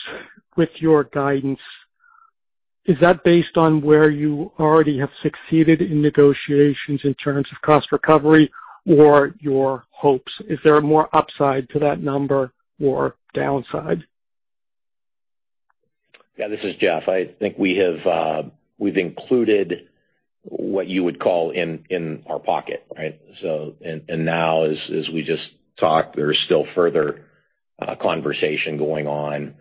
with your guidance, is that based on where you already have succeeded in negotiations in terms of cost recovery or your hopes? Is there more upside to that number or downside? Yeah, this is Jeff. I think we've included what you would call in our pocket, right? Now as we just talked, there's still further conversation going on,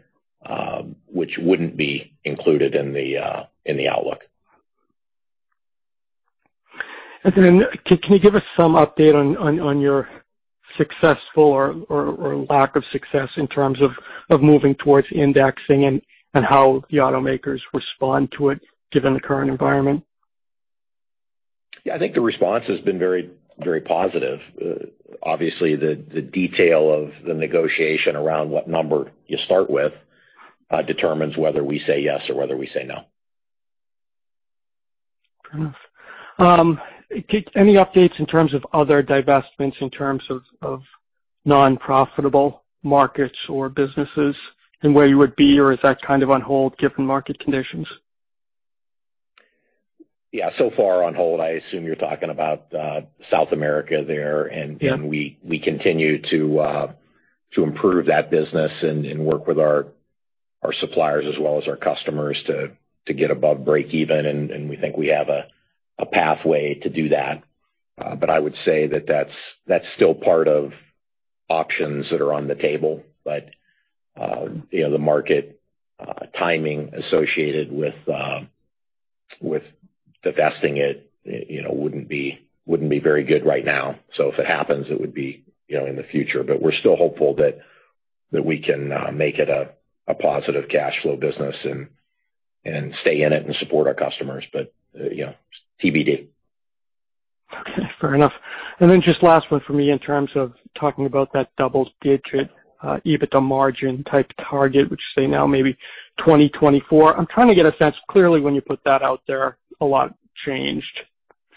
which wouldn't be included in the outlook. Can you give us some update on your successful or lack of success in terms of moving towards indexing and how the automakers respond to it given the current environment? Yeah. I think the response has been very, very positive. Obviously the detail of the negotiation around what number you start with determines whether we say yes or whether we say no. Any updates in terms of other divestments in terms of non-profitable markets or businesses and where you would be, or is that kind of on hold given market conditions? Yeah, so far on hold, I assume you're talking about South America there. Yeah. We continue to improve that business and work with our suppliers as well as our customers to get above break even, and we think we have a pathway to do that. I would say that that's still part of options that are on the table. You know, the market timing associated with divesting it, you know, wouldn't be very good right now. If it happens, it would be, you know, in the future. We're still hopeful that we can make it a positive cash flow business and stay in it and support our customers. but, you know, TBD. Okay, fair enough. Just last one for me in terms of talking about that double-digit EBITDA margin type target, which, say, now maybe 2024. I'm trying to get a sense. Clearly, when you put that out there, a lot changed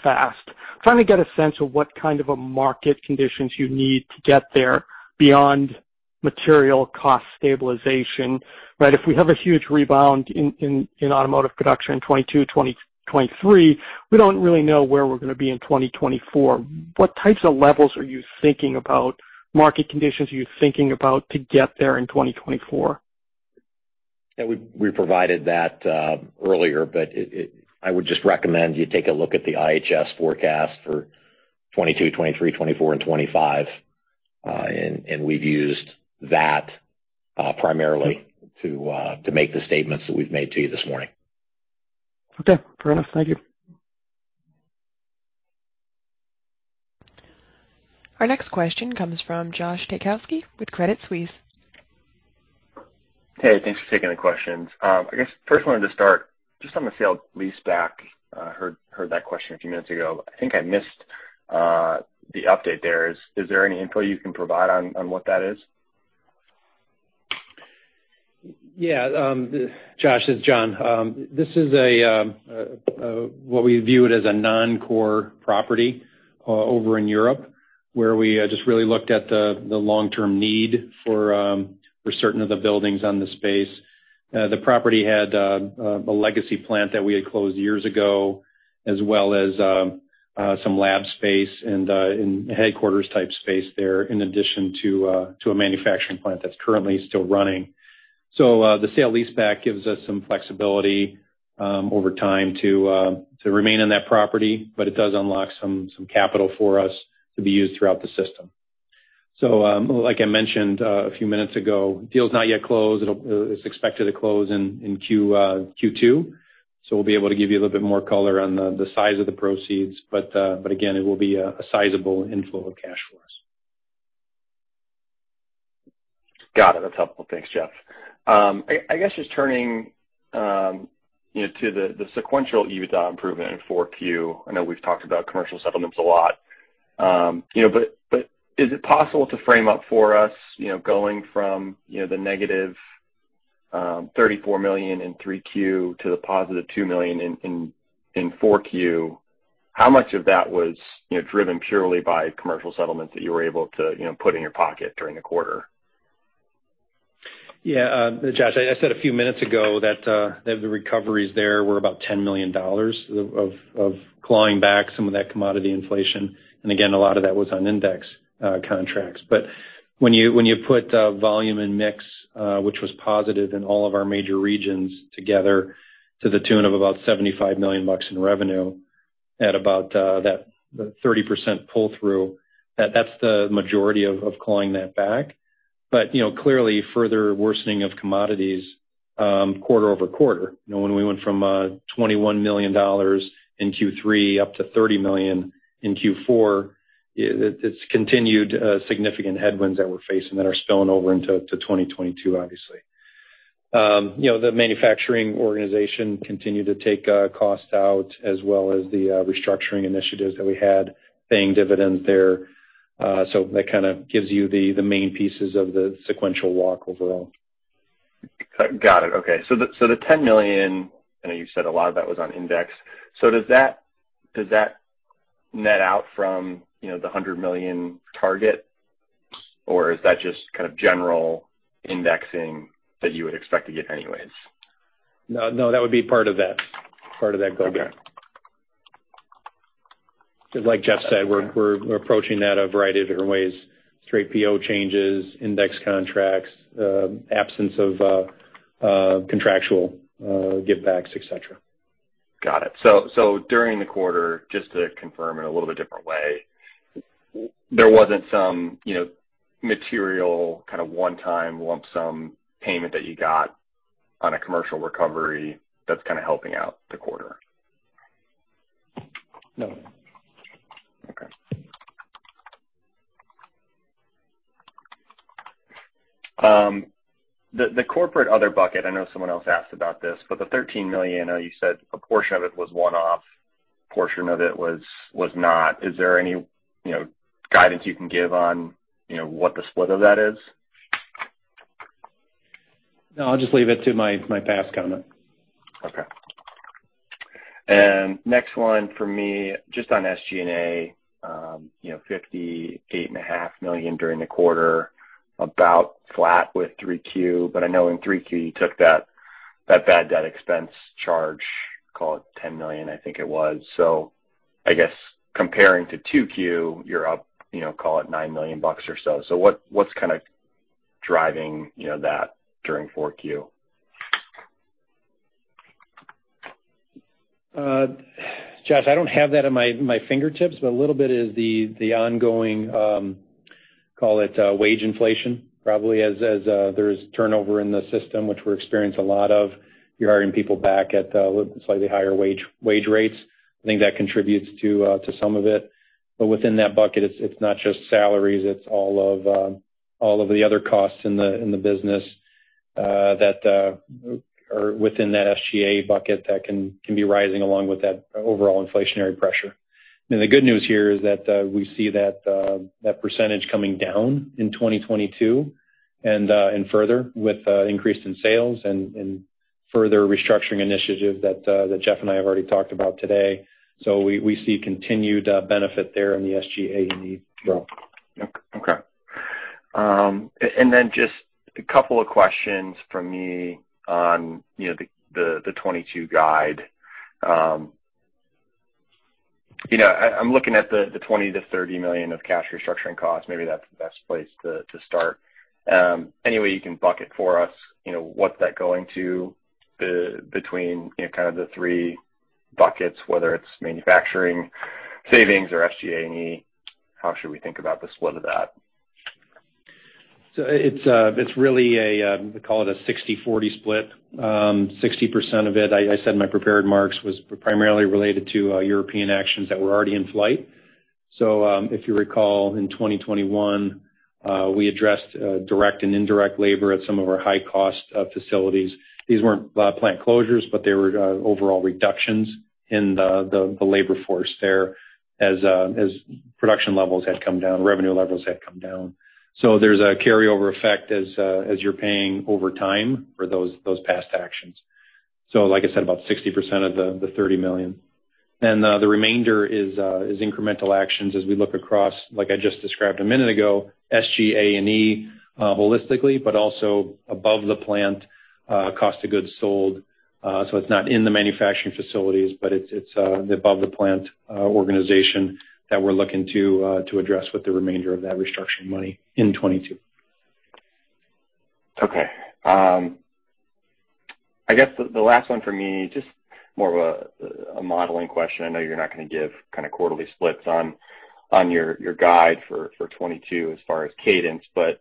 fast. Trying to get a sense of what kind of a market conditions you need to get there beyond material cost stabilization, right? If we have a huge rebound in automotive production in 2022, 2023, we don't really know where we're gonna be in 2024. What types of levels are you thinking about, market conditions are you thinking about to get there in 2024? Yeah. We provided that earlier, but I would just recommend you take a look at the IHS forecast for 2022, 2023, 2024 and 2025. We've used that primarily to make the statements that we've made to you this morning. Okay. Fair enough. Thank you. Our next question comes from Josh Taykowski with Credit Suisse. Hey, thanks for taking the questions. I guess I first wanted to start just on the sale-leaseback. Heard that question a few minutes ago. I think I missed the update there. Is there any info you can provide on what that is? Yeah. Josh, this is John. What we view it as a non-core property over in Europe, where we just really looked at the long-term need for certain of the buildings on the space. The property had a legacy plant that we had closed years ago, as well as some lab space and headquarters type space there, in addition to a manufacturing plant that's currently still running. The sale-leaseback gives us some flexibility over time to remain on that property, but it does unlock some capital for us to be used throughout the system. Like I mentioned a few minutes ago, deal's not yet closed. It's expected to close in Q2, so we'll be able to give you a little bit more color on the size of the proceeds. Again, it will be a sizable inflow of cash for us. Got it. That's helpful. Thanks, Jeff. I guess just turning you know to the sequential EBITDA improvement in 4Q. I know we've talked about commercial settlements a lot. You know, but is it possible to frame up for us, you know, going from you know the negative $34 million in 3Q to the positive $2 million in 4Q, how much of that was you know driven purely by commercial settlements that you were able to you know put in your pocket during the quarter? Yeah, Josh, I said a few minutes ago that the recoveries there were about $10 million of clawing back some of that commodity inflation. Again, a lot of that was on index contracts. When you put volume and mix, which was positive in all of our major regions together to the tune of about $75 million in revenue at about that 30% pull-through, that's the majority of clawing that back. You know, clearly further worsening of commodities quarter-over-quarter. You know, when we went from $21 million in Q3 up to $30 million in Q4, it's continued significant headwinds that we're facing that are spilling over into 2022, obviously. You know, the manufacturing organization continued to take costs out, as well as the restructuring initiatives that we had paying dividends there. That kind of gives you the main pieces of the sequential walk overall. Got it. Okay. The $10 million, I know you said a lot of that was on index. Does that net out from, you know, the $100 million target? Or is that just kind of general indexing that you would expect to get anyways? No, that would be part of that. Go back. 'Cause like Jeff said, we're approaching that a variety of different ways, straight PO changes, index contracts, absence of contractual give backs, et cetera. Got it. During the quarter, just to confirm in a little bit different way, there wasn't some, you know, material kind of one-time lump sum payment that you got on a commercial recovery that's kind of helping out the quarter? No. The corporate other bucket- I know someone else asked about this, but the $13 million, I know you said a portion of it was one-off, a portion of it was not. Is there any, you know, guidance you can give on, you know, what the split of that is? No, I'll just leave it to my past comment. Okay. Next one for me, just on SG&A, you know, $58.5 million during the quarter, about flat with 3Q. I know in 3Q, you took that bad debt expense charge, call it $10 million, I think it was. I guess comparing to 2Q, you're up, you know, call it $9 million or so. What's kind of driving, you know, that during 4Q? Josh, I don't have that at my fingertips, but a little bit is the ongoing, call it, wage inflation probably as there's turnover in the system, which we're experiencing a lot of. You're hiring people back at slightly higher wage rates. I think that contributes to some of it. Within that bucket, it's not just salaries, it's all of the other costs in the business that are within that SGA bucket that can be rising along with that overall inflationary pressure. The good news here is that we see that percentage coming down in 2022 and further with increase in sales and further restructuring initiatives that Jeff and I have already talked about today. We see continued benefit there in the SGA&E drop. Okay. Just a couple of questions from me on, you know, the 2022 guide. I'm looking at the $20 million-$30 million of cash restructuring costs. Maybe that's the best place to start. Any way you can bucket for us, you know, what's that going to be between, you know, kind of the three buckets, whether it's manufacturing savings or SGA&E? How should we think about the split of that? It's really a call it a 60/40 split. 60% of it, I said in my prepared remarks, was primarily related to European actions that were already in flight. If you recall, in 2021, we addressed direct and indirect labor at some of our high-cost facilities. These weren't plant closures, but they were overall reductions in the labor force there as production levels had come down, revenue levels had come down. There's a carryover effect as you're paying over time for those past actions. Like I said, about 60% of the $30 million. The remainder is incremental actions as we look across, like I just described a minute ago, SGA&E holistically, but also above the plant cost of goods sold. It's not in the manufacturing facilities, but it's above the plant organization that we're looking to address with the remainder of that restructuring money in 2022. Okay. I guess the last one for me, just more of a modeling question. I know you're not gonna give kind of quarterly splits on your guide for 2022 as far as cadence. You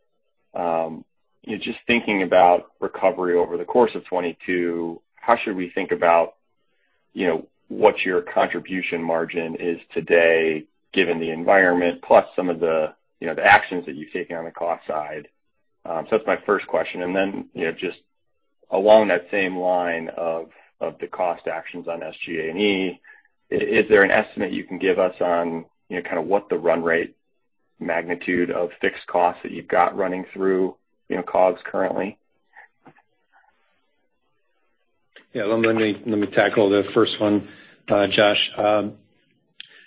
know, just thinking about recovery over the course of 2022, how should we think about, you know, what your contribution margin is today given the environment, plus some of the, you know, the actions that you've taken on the cost side? That's my first question. You know, just along that same line of the cost actions on SGA&E, is there an estimate you can give us on, you know, kind of what the run rate magnitude of fixed costs that you've got running through, you know, COGS currently? Yeah, let me tackle the first one, Josh.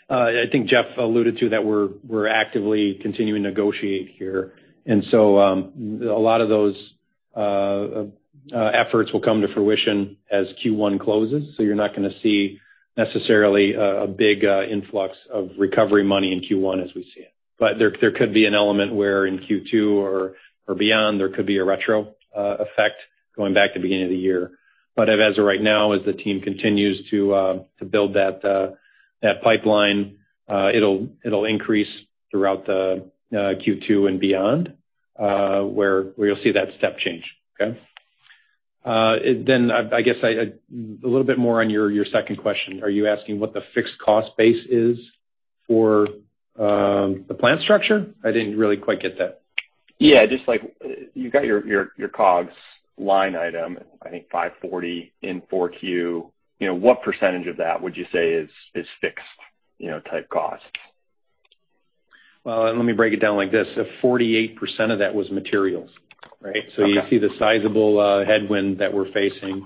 I think Jeff alluded to that we're actively continuing to negotiate here. A lot of those efforts will come to fruition as Q1 closes. You're not gonna see necessarily a big influx of recovery money in Q1 as we see it. There could be an element where in Q2 or beyond, there could be a retroactive effect going back to the beginning of the year. As of right now, as the team continues to build that pipeline, it'll increase throughout the Q2 and beyond, where you'll see that step change. I guess a little bit more on your second question. Are you asking what the fixed cost base is for, the plant structure? I didn't really quite get that. Yeah, just like you got your COGS line item, I think $540 in Q4. You know, what percentage of that would you say is fixed, you know, type cost? Well, let me break it down like this. 48% of that was materials, right? Okay. You see the sizable headwind that we're facing,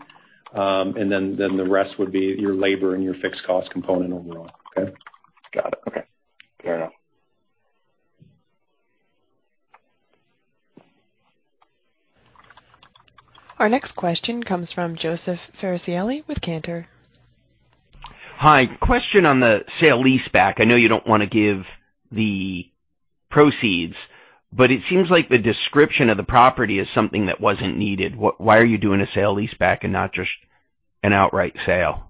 and then the rest would be your labor and your fixed cost component overall. Okay? Got it. Okay. Fair enough. Our next question comes from Joseph Farricielli with Cantor. Hi. Question on the sale-leaseback. I know you don't wanna give the proceeds, but it seems like the description of the property is something that wasn't needed. Why are you doing a sale-leaseback and not just an outright sale?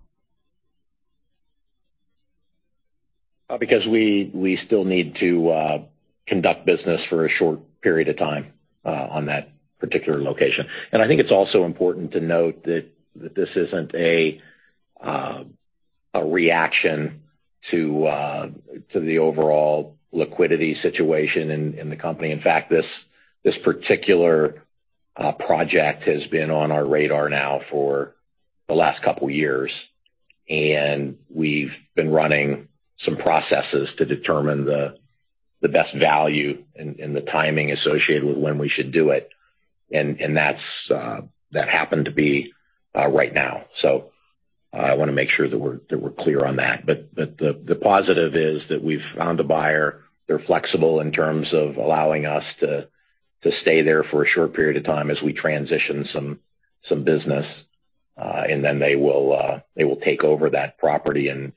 Because we still need to conduct business for a short period of time on that particular location. I think it's also important to note that this isn't a reaction to the overall liquidity situation in the company. In fact, this particular project has been on our radar now for the last couple years, and we've been running some processes to determine the best value and the timing associated with when we should do it. That's happened to be right now. I wanna make sure that we're clear on that. The positive is that we've found a buyer. They're flexible in terms of allowing us to stay there for a short period of time as we transition some business. They will take over that property and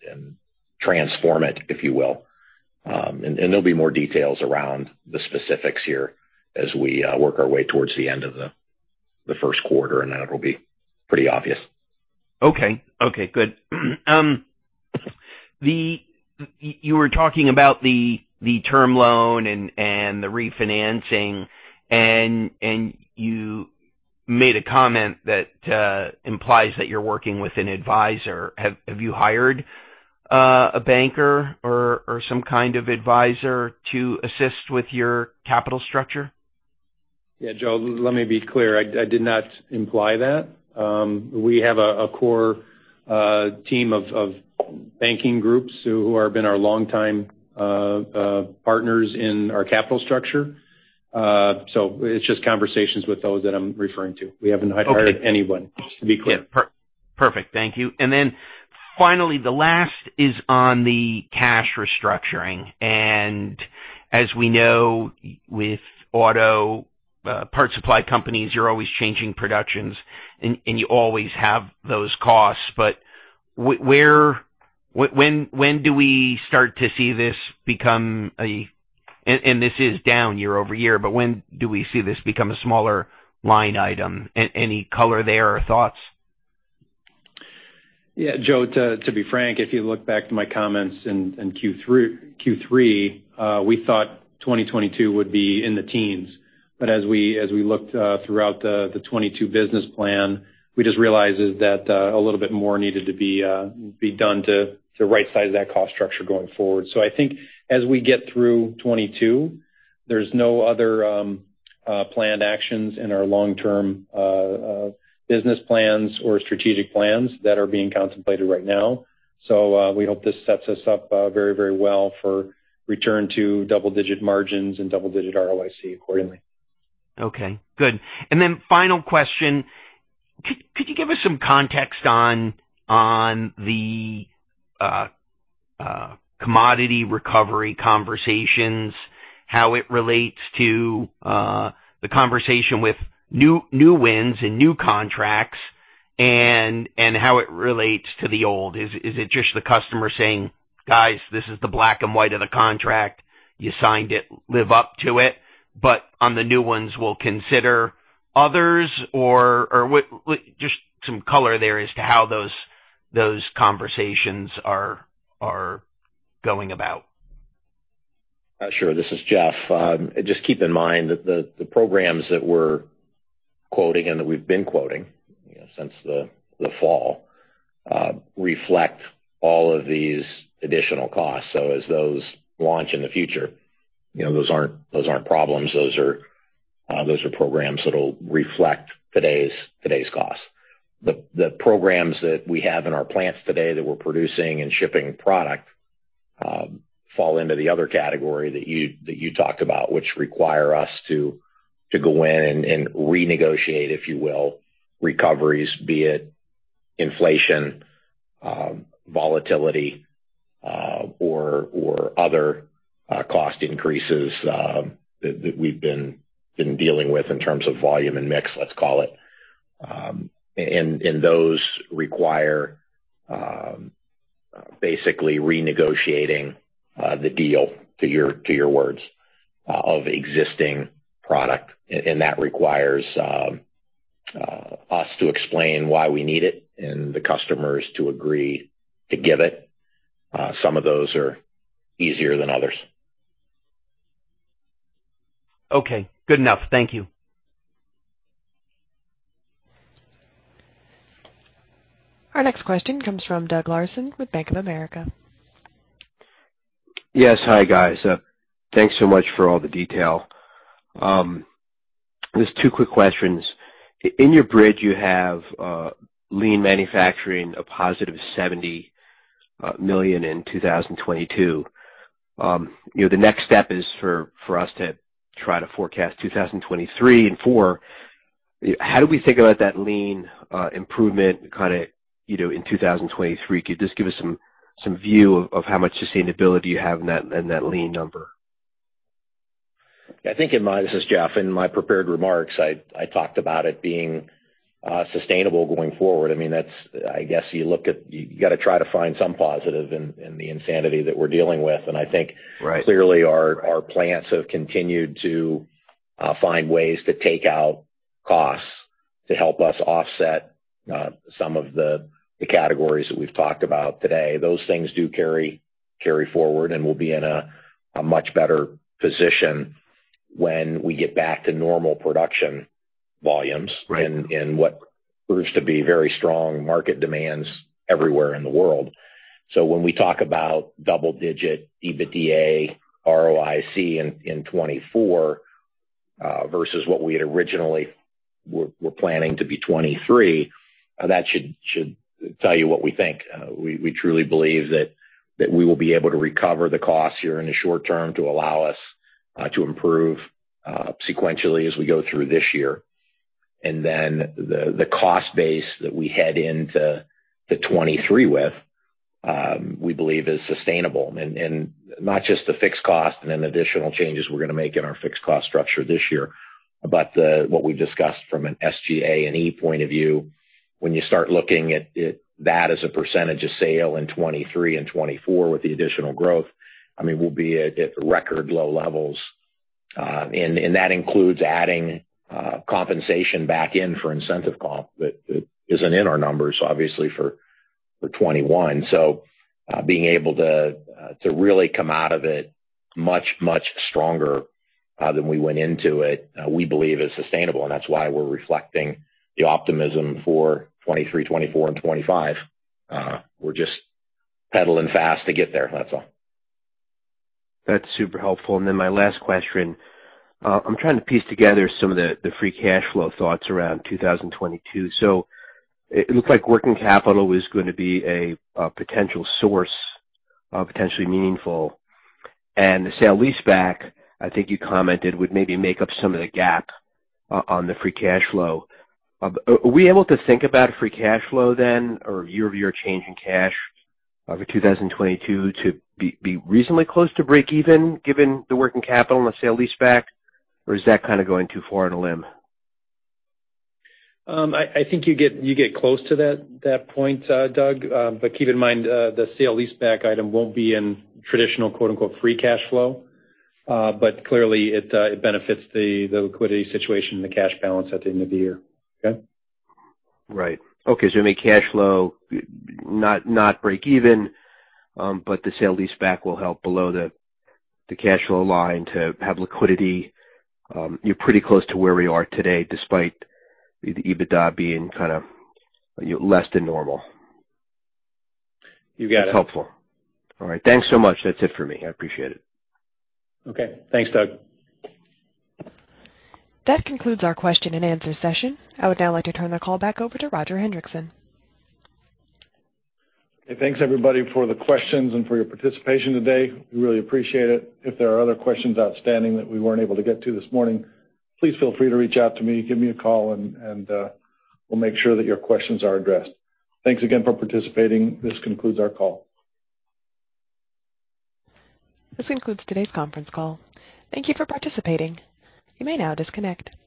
transform it, if you will, and there'll be more details around the specifics here as we work our way towards the end of the first quarter, and then it'll be pretty obvious. Okay, good. You were talking about the term loan and the refinancing, and you made a comment that implies that you're working with an advisor. Have you hired a banker or some kind of advisor to assist with your capital structure? Yeah, Joe, let me be clear. I did not imply that. We have a core team of banking groups who have been our longtime partners in our capital structure. It's just conversations with those that I'm referring to. We haven't hired anyone, just to be clear. Perfect. Thank you. Then finally, the last is on the cash restructuring. As we know with auto parts supply companies, you're always changing productions and you always have those costs. When do we start to see this become a... This is down year-over-year, but when do we see this become a smaller line item? Any color there or thoughts? Yeah, Joe, to be frank, if you look back to my comments in Q3, we thought 2022 would be in the teens. As we looked throughout the 2022 business plan, we just realized that a little bit more needed to be done to right size that cost structure going forward. I think as we get through 2022, there's no other planned actions in our long-term business plans or strategic plans that are being contemplated right now. We hope this sets us up very, very well for return to double-digit margins and double-digit ROIC accordingly. Okay, good. Final question. Could you give us some context on the commodity recovery conversations? How it relates to the conversation with new wins and new contracts and how it relates to the old. Is it just the customer saying, "Guys, this is the black and white of the contract. You signed it, live up to it, but on the new ones, we'll consider others?" Or what. Just some color there as to how those conversations are going about. Sure. This is Jeff. Just keep in mind that the programs that we're quoting and that we've been quoting, you know, since the fall, reflect all of these additional costs. As those launch in the future, you know, those aren't problems. Those are programs that'll reflect today's costs. The programs that we have in our plants today that we're producing and shipping product fall into the other category that you talked about, which require us to go in and renegotiate, if you will, recoveries, be it inflation, volatility, or other cost increases that we've been dealing with in terms of volume and mix, let's call it. Those require basically renegotiating the deal, to your words, of existing product. That requires us to explain why we need it and the customers to agree to give it. Some of those are easier than others. Okay, good enough. Thank you. Our next question comes from Doug Karson with Bank of America. Yes. Hi, guys. Thanks so much for all the detail. Just two quick questions. In your bridge, you have lean manufacturing, a positive $70 million in 2022. The next step is for us to try to forecast 2023 and 2024. How do we think about that lean improvement in 2023? Could you just give us some view of how much sustainability you have in that lean number? This is Jeff. In my prepared remarks, I talked about it being sustainable going forward. I mean, that's. I guess you look at. You gotta try to find some positive in the insanity that we're dealing with. I think... Right. ...clearly our plants have continued to find ways to take out costs to help us offset some of the categories that we've talked about today. Those things do carry forward, and we'll be in a much better position when we get back to normal production volumes, in what proves to be very strong market demands everywhere in the world. So when we talk about double-digit EBITDA, ROIC in 2024 versus what we had originally were planning to be 2023, that should tell you what we think. We truly believe that we will be able to recover the costs here in the short term to allow us to improve sequentially as we go through this year. Then the cost base that we head into 2023 with, we believe is sustainable. Not just the fixed cost and then additional changes we're gonna make in our fixed cost structure this year, but what we've discussed from an SGA&E point of view. When you start looking at that as a percentage of sales in 2023 and 2024 with the additional growth, I mean, we'll be at record low levels. That includes adding compensation back in for incentive comp that isn't in our numbers, obviously, for 2021. Being able to really come out of it much stronger than we went into it, we believe is sustainable, and that's why we're reflecting the optimism for 2023, 2024, and 2025. We're just pedaling fast to get there, that's all. That's super helpful. Then my last question. I'm trying to piece together some of the free cash flow thoughts around 2022. It looks like working capital is gonna be a potential source, potentially meaningful. The sale lease back, I think you commented, would maybe make up some of the gap on the free cash flow. Are we able to think about a free cash flow then or year-over-year change in cash, for 2022 to be reasonably close to breakeven given the working capital and the sale lease back? Or is that kinda going too far on a limb? I think you get close to that point, Doug. But keep in mind, the sale-leaseback item won't be in traditional, quote-unquote, "free cash flow." Clearly it benefits the liquidity situation and the cash balance at the end of the year. Okay? Right. Okay. You mean cash flow, not breakeven, but the sale-leaseback will help below the cash flow line to have liquidity. You're pretty close to where we are today, despite the EBITDA being kind of, you know, less than normal. You got it. It's helpful. All right. Thanks so much. That's it for me. I appreciate it. Okay. Thanks, Doug. That concludes our Q&A session. I would now like to turn the call back over to Roger Hendriksen. Hey, thanks everybody for the questions and for your participation today. We really appreciate it. If there are other questions outstanding that we weren't able to get to this morning, please feel free to reach out to me. Give me a call and we'll make sure that your questions are addressed. Thanks again for participating. This concludes our call. This concludes today's conference call. Thank you for participating. You may now disconnect.